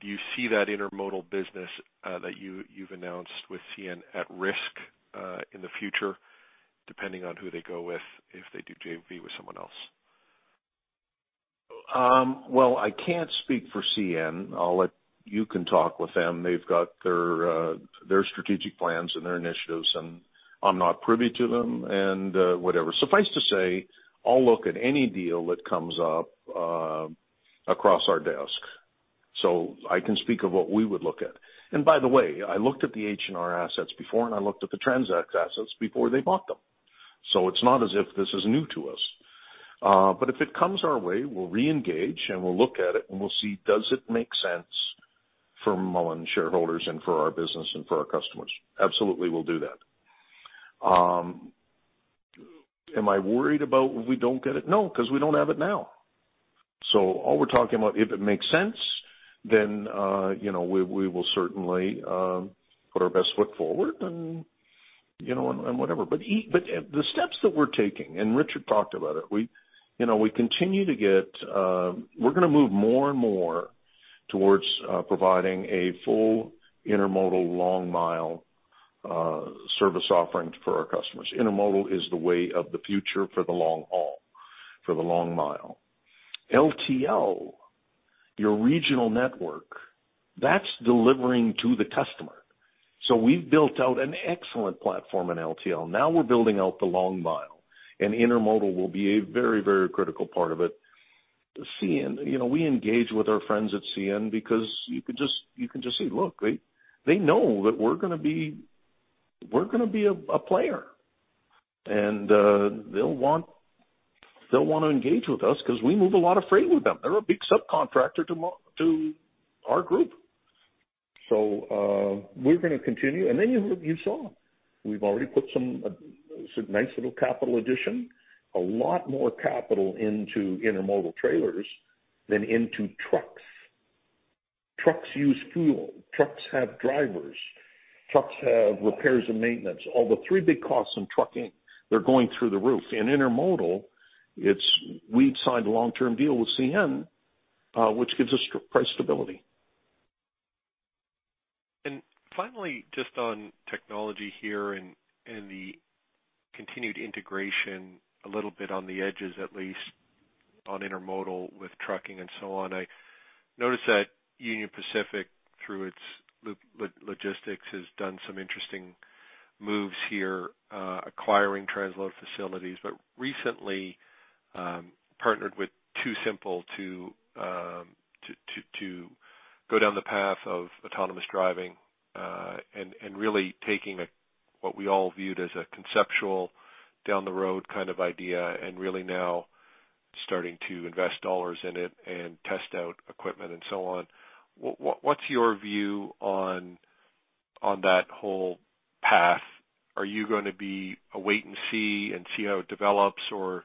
do you see that intermodal business that you've announced with CN at risk in the future, depending on who they go with, if they do JV with someone else? Well, I can't speak for CN. I'll let you talk with them. They've got their strategic plans and their initiatives, and I'm not privy to them and whatever. Suffice to say, I'll look at any deal that comes up across our desk, so I can speak of what we would look at. By the way, I looked at the H&R assets before, and I looked at the TransX assets before they bought them. It's not as if this is new to us. If it comes our way, we'll reengage, and we'll look at it, and we'll see does it make sense for Mullen shareholders and for our business and for our customers. Absolutely, we'll do that. Am I worried about if we don't get it? No, because we don't have it now. All we're talking about, if it makes sense, then, you know, we will certainly put our best foot forward and, you know, whatever. But the steps that we're taking, and Richard talked about it, you know, we're gonna move more and more towards providing a full intermodal long mile service offering for our customers. Intermodal is the way of the future for the long haul, for the long mile. LTL, your regional network, that's delivering to the customer. We've built out an excellent platform in LTL. Now we're building out the long mile, and intermodal will be a very, very critical part of it. CN, you know, we engage with our friends at CN because you can just see, look, they know that we're gonna be a player. They'll wanna engage with us because we move a lot of freight with them. They're a big subcontractor to our group. We're gonna continue. You saw, we've already put some nice little capital addition, a lot more capital into intermodal trailers than into trucks. Trucks use fuel. Trucks have drivers. Trucks have repairs and maintenance. All three big costs in trucking, they're going through the roof. In intermodal, we've signed a long-term deal with CN, which gives us price stability. Finally, just on technology here and the continued integration a little bit on the edges, at least on intermodal with trucking and so on. I noticed that Union Pacific, through its logistics, has done some interesting moves here, acquiring transload facilities, but recently partnered with TuSimple to go down the path of autonomous driving, and really taking a what we all viewed as a conceptual down the road kind of idea and really now starting to invest dollars in it and test out equipment and so on. What's your view on that whole path? Are you gonna be a wait and see and see how it develops? Or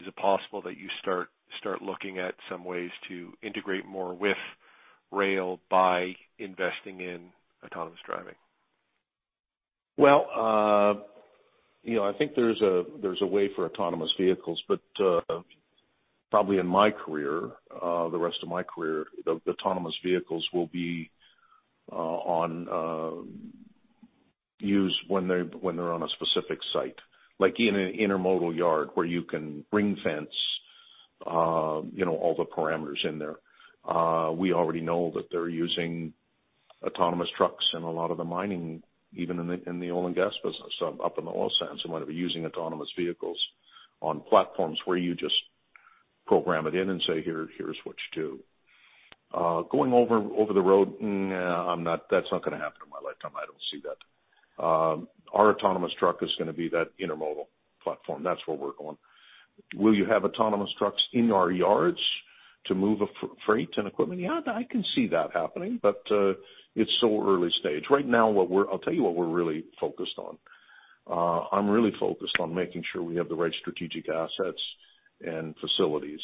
is it possible that you start looking at some ways to integrate more with rail by investing in autonomous driving? Well, you know, I think there's a way for autonomous vehicles, but probably in my career, the rest of my career, the autonomous vehicles will be used when they're on a specific site. Like in an intermodal yard where you can ring fence, you know, all the parameters in there. We already know that they're using autonomous trucks in a lot of the mining, even in the oil and gas business, up in the oil sands and whatever, using autonomous vehicles on platforms where you just program it in and say, "Here, here's what to do." Going over the road, nah, that's not gonna happen in my lifetime. I don't see that. Our autonomous truck is gonna be that intermodal platform. That's where we're going. Will you have autonomous trucks in our yards to move a freight and equipment? Yeah, I can see that happening, but it's so early stage. Right now, I'll tell you what we're really focused on. I'm really focused on making sure we have the right strategic assets and facilities.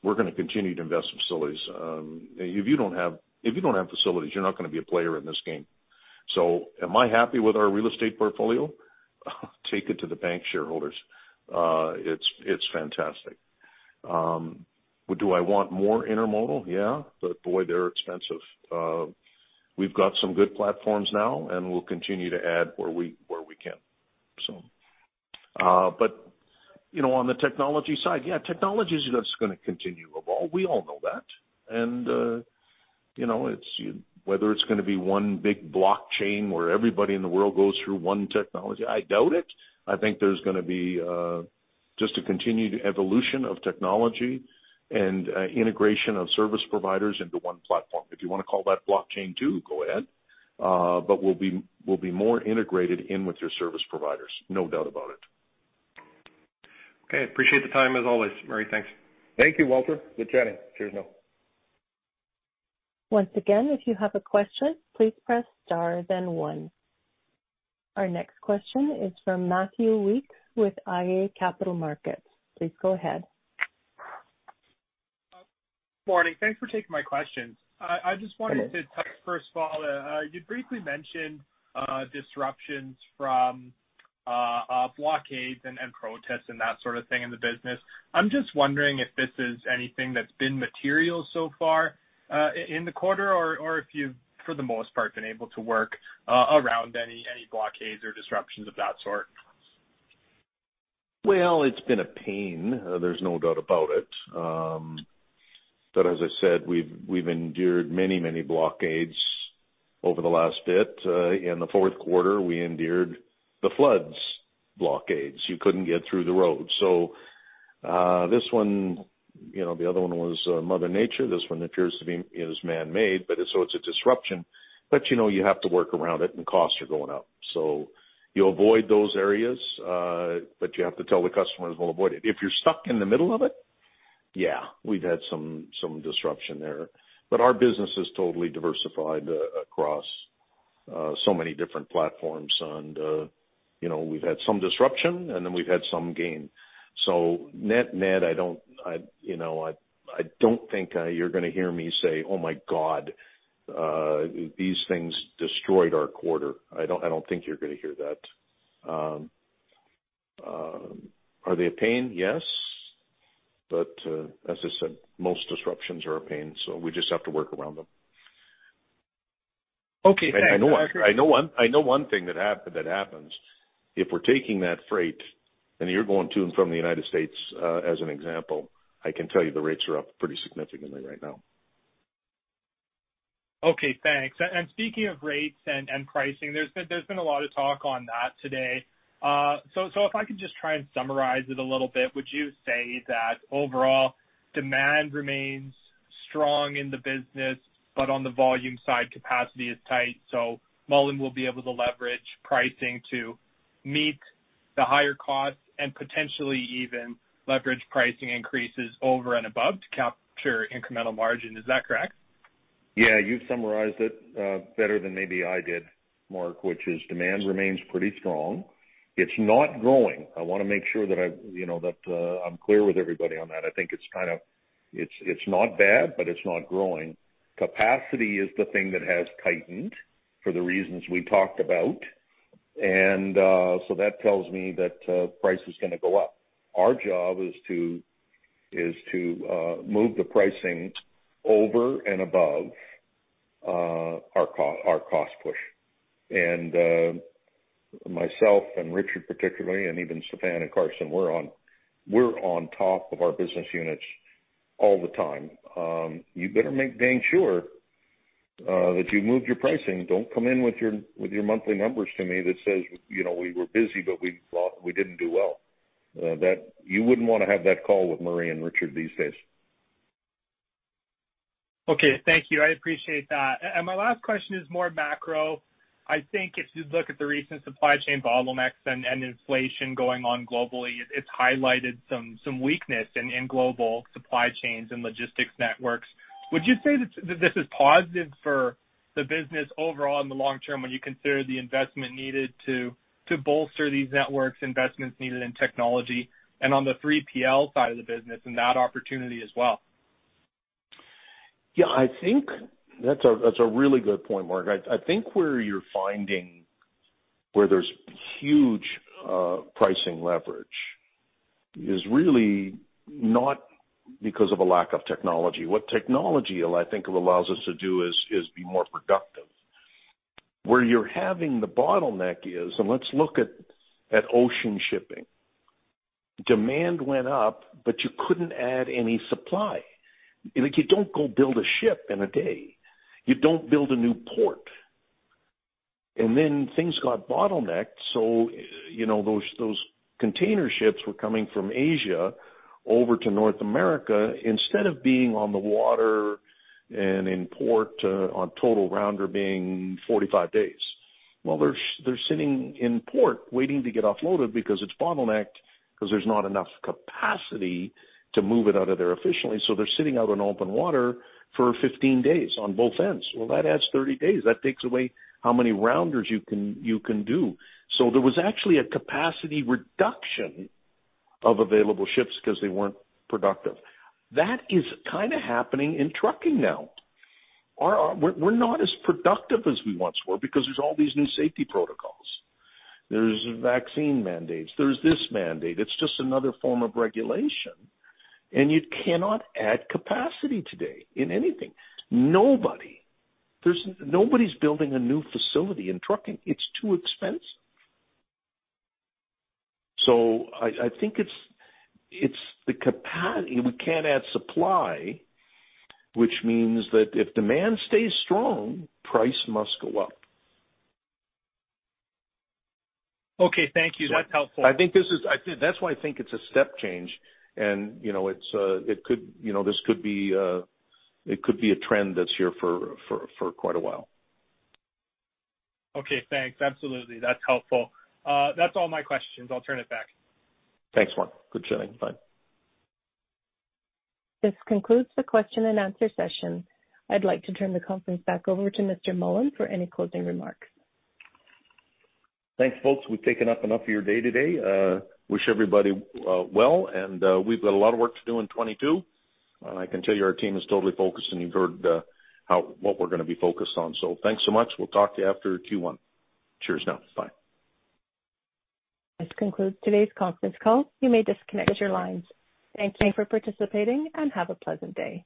We're gonna continue to invest in facilities. If you don't have facilities, you're not gonna be a player in this game. Am I happy with our real estate portfolio? Take it to the bank, shareholders. It's fantastic. Do I want more intermodal? Yeah, but boy, they're expensive. We've got some good platforms now, and we'll continue to add where we can. You know, on the technology side, yeah, technology's just gonna continue to evolve. We all know that. You know, it's whether it's gonna be one big blockchain where everybody in the world goes through one technology. I doubt it. I think there's gonna be just a continued evolution of technology and integration of service providers into one platform. If you wanna call that blockchain, too, go ahead. We'll be more integrated in with your service providers, no doubt about it. Okay. Appreciate the time as always, Murray. Thanks. Thank you, Walter. Good chatting. Cheers now. Once again, if you have a question, please press star then one. Our next question is from Matthew Weekes with iA Capital Markets. Please go ahead. Morning. Thanks for taking my questions. Okay. I just wanted to touch first of all, you briefly mentioned, disruptions from, blockades and protests and that sort of thing in the business. I'm just wondering if this is anything that's been material so far, in the quarter, or if you've for the most part, been able to work, around any blockades or disruptions of that sort. Well, it's been a pain, there's no doubt about it. But as I said, we've endured many blockades over the last bit. In the fourth quarter, we endured the floods blockades. You couldn't get through the road. This one, you know, the other one was mother nature. This one appears to be man-made, but it's a disruption, but you know, you have to work around it, and costs are going up. You avoid those areas, but you have to tell the customers we'll avoid it. If you're stuck in the middle of it, yeah, we've had some disruption there, but our business is totally diversified across so many different platforms and, you know, we've had some disruption, and then we've had some gain. Net net, I don't think you're gonna hear me say, "Oh my God, these things destroyed our quarter." I don't think you're gonna hear that. Are they a pain? Yes. As I said, most disruptions are a pain, so we just have to work around them. Okay. Thanks, Murray. I know one thing that happens, if we're taking that freight, and you're going to and from the United States, as an example, I can tell you the rates are up pretty significantly right now. Okay, thanks. Speaking of rates and pricing, there's been a lot of talk on that today. If I could just try and summarize it a little bit, would you say that overall demand remains strong in the business, but on the volume side, capacity is tight, so Mullen will be able to leverage pricing to meet the higher costs and potentially even leverage pricing increases over and above to capture incremental margin? Is that correct? Yeah. You've summarized it better than maybe I did, Mark, which is demand remains pretty strong. It's not growing. I wanna make sure that I'm clear with everybody on that. I think it's kind of not bad, but it's not growing. Capacity is the thing that has tightened for the reasons we talked about. That tells me that price is gonna go up. Our job is to move the pricing over and above our cost push. Myself and Richard particularly, and even Stephen and Carson, we're on top of our business units all the time. You better make dang sure that you've moved your pricing. Don't come in with your monthly numbers to me that says, you know, we were busy, but we didn't do well. You wouldn't wanna have that call with Murray and Richard these days. Okay. Thank you. I appreciate that. My last question is more macro. I think if you look at the recent supply chain bottlenecks and inflation going on globally, it's highlighted some weakness in global supply chains and logistics networks. Would you say that this is positive for the business overall in the long term when you consider the investment needed to bolster these networks, investments needed in technology and on the 3PL side of the business and that opportunity as well? Yeah, I think that's a really good point, Matt. I think where you're finding there's huge pricing leverage is really not because of a lack of technology. What technology I think allows us to do is be more productive. Where you're having the bottleneck is, let's look at ocean shipping. Demand went up, but you couldn't add any supply. Like, you don't go build a ship in a day. You don't build a new port. Things got bottlenecked, you know, those container ships were coming from Asia over to North America. Instead of being on the water and in port, on total round trip being 45 days, well, they're sitting in port waiting to get offloaded because it's bottlenecked because there's not enough capacity to move it out of there efficiently. They're sitting out on open water for 15 days on both ends. Well, that adds 30 days. That takes away how many rounders you can do. There was actually a capacity reduction of available ships because they weren't productive. That is kinda happening in trucking now. We're not as productive as we once were because there's all these new safety protocols. There's vaccine mandates, there's this mandate. It's just another form of regulation. You cannot add capacity today in anything. Nobody. Nobody's building a new facility in trucking. It's too expensive. I think it's the capacity. We can't add supply, which means that if demand stays strong, price must go up. Okay, thank you. Yeah. That's helpful. I think that's why I think it's a step change. You know, it could be a trend that's here for quite a while. Okay, thanks. Absolutely. That's helpful. That's all my questions. I'll turn it back. Thanks, Mark. Good chatting. Bye. This concludes the question and answer session. I'd like to turn the conference back over to Mr. Mullen for any closing remarks. Thanks, folks. We've taken up enough of your day today. Wish everybody well, and we've got a lot of work to do in 2022. I can tell you our team is totally focused, and you've heard what we're gonna be focused on. Thanks so much. We'll talk to you after Q1. Cheers now. Bye. This concludes today's conference call. You may disconnect your lines. Thank you for participating and have a pleasant day.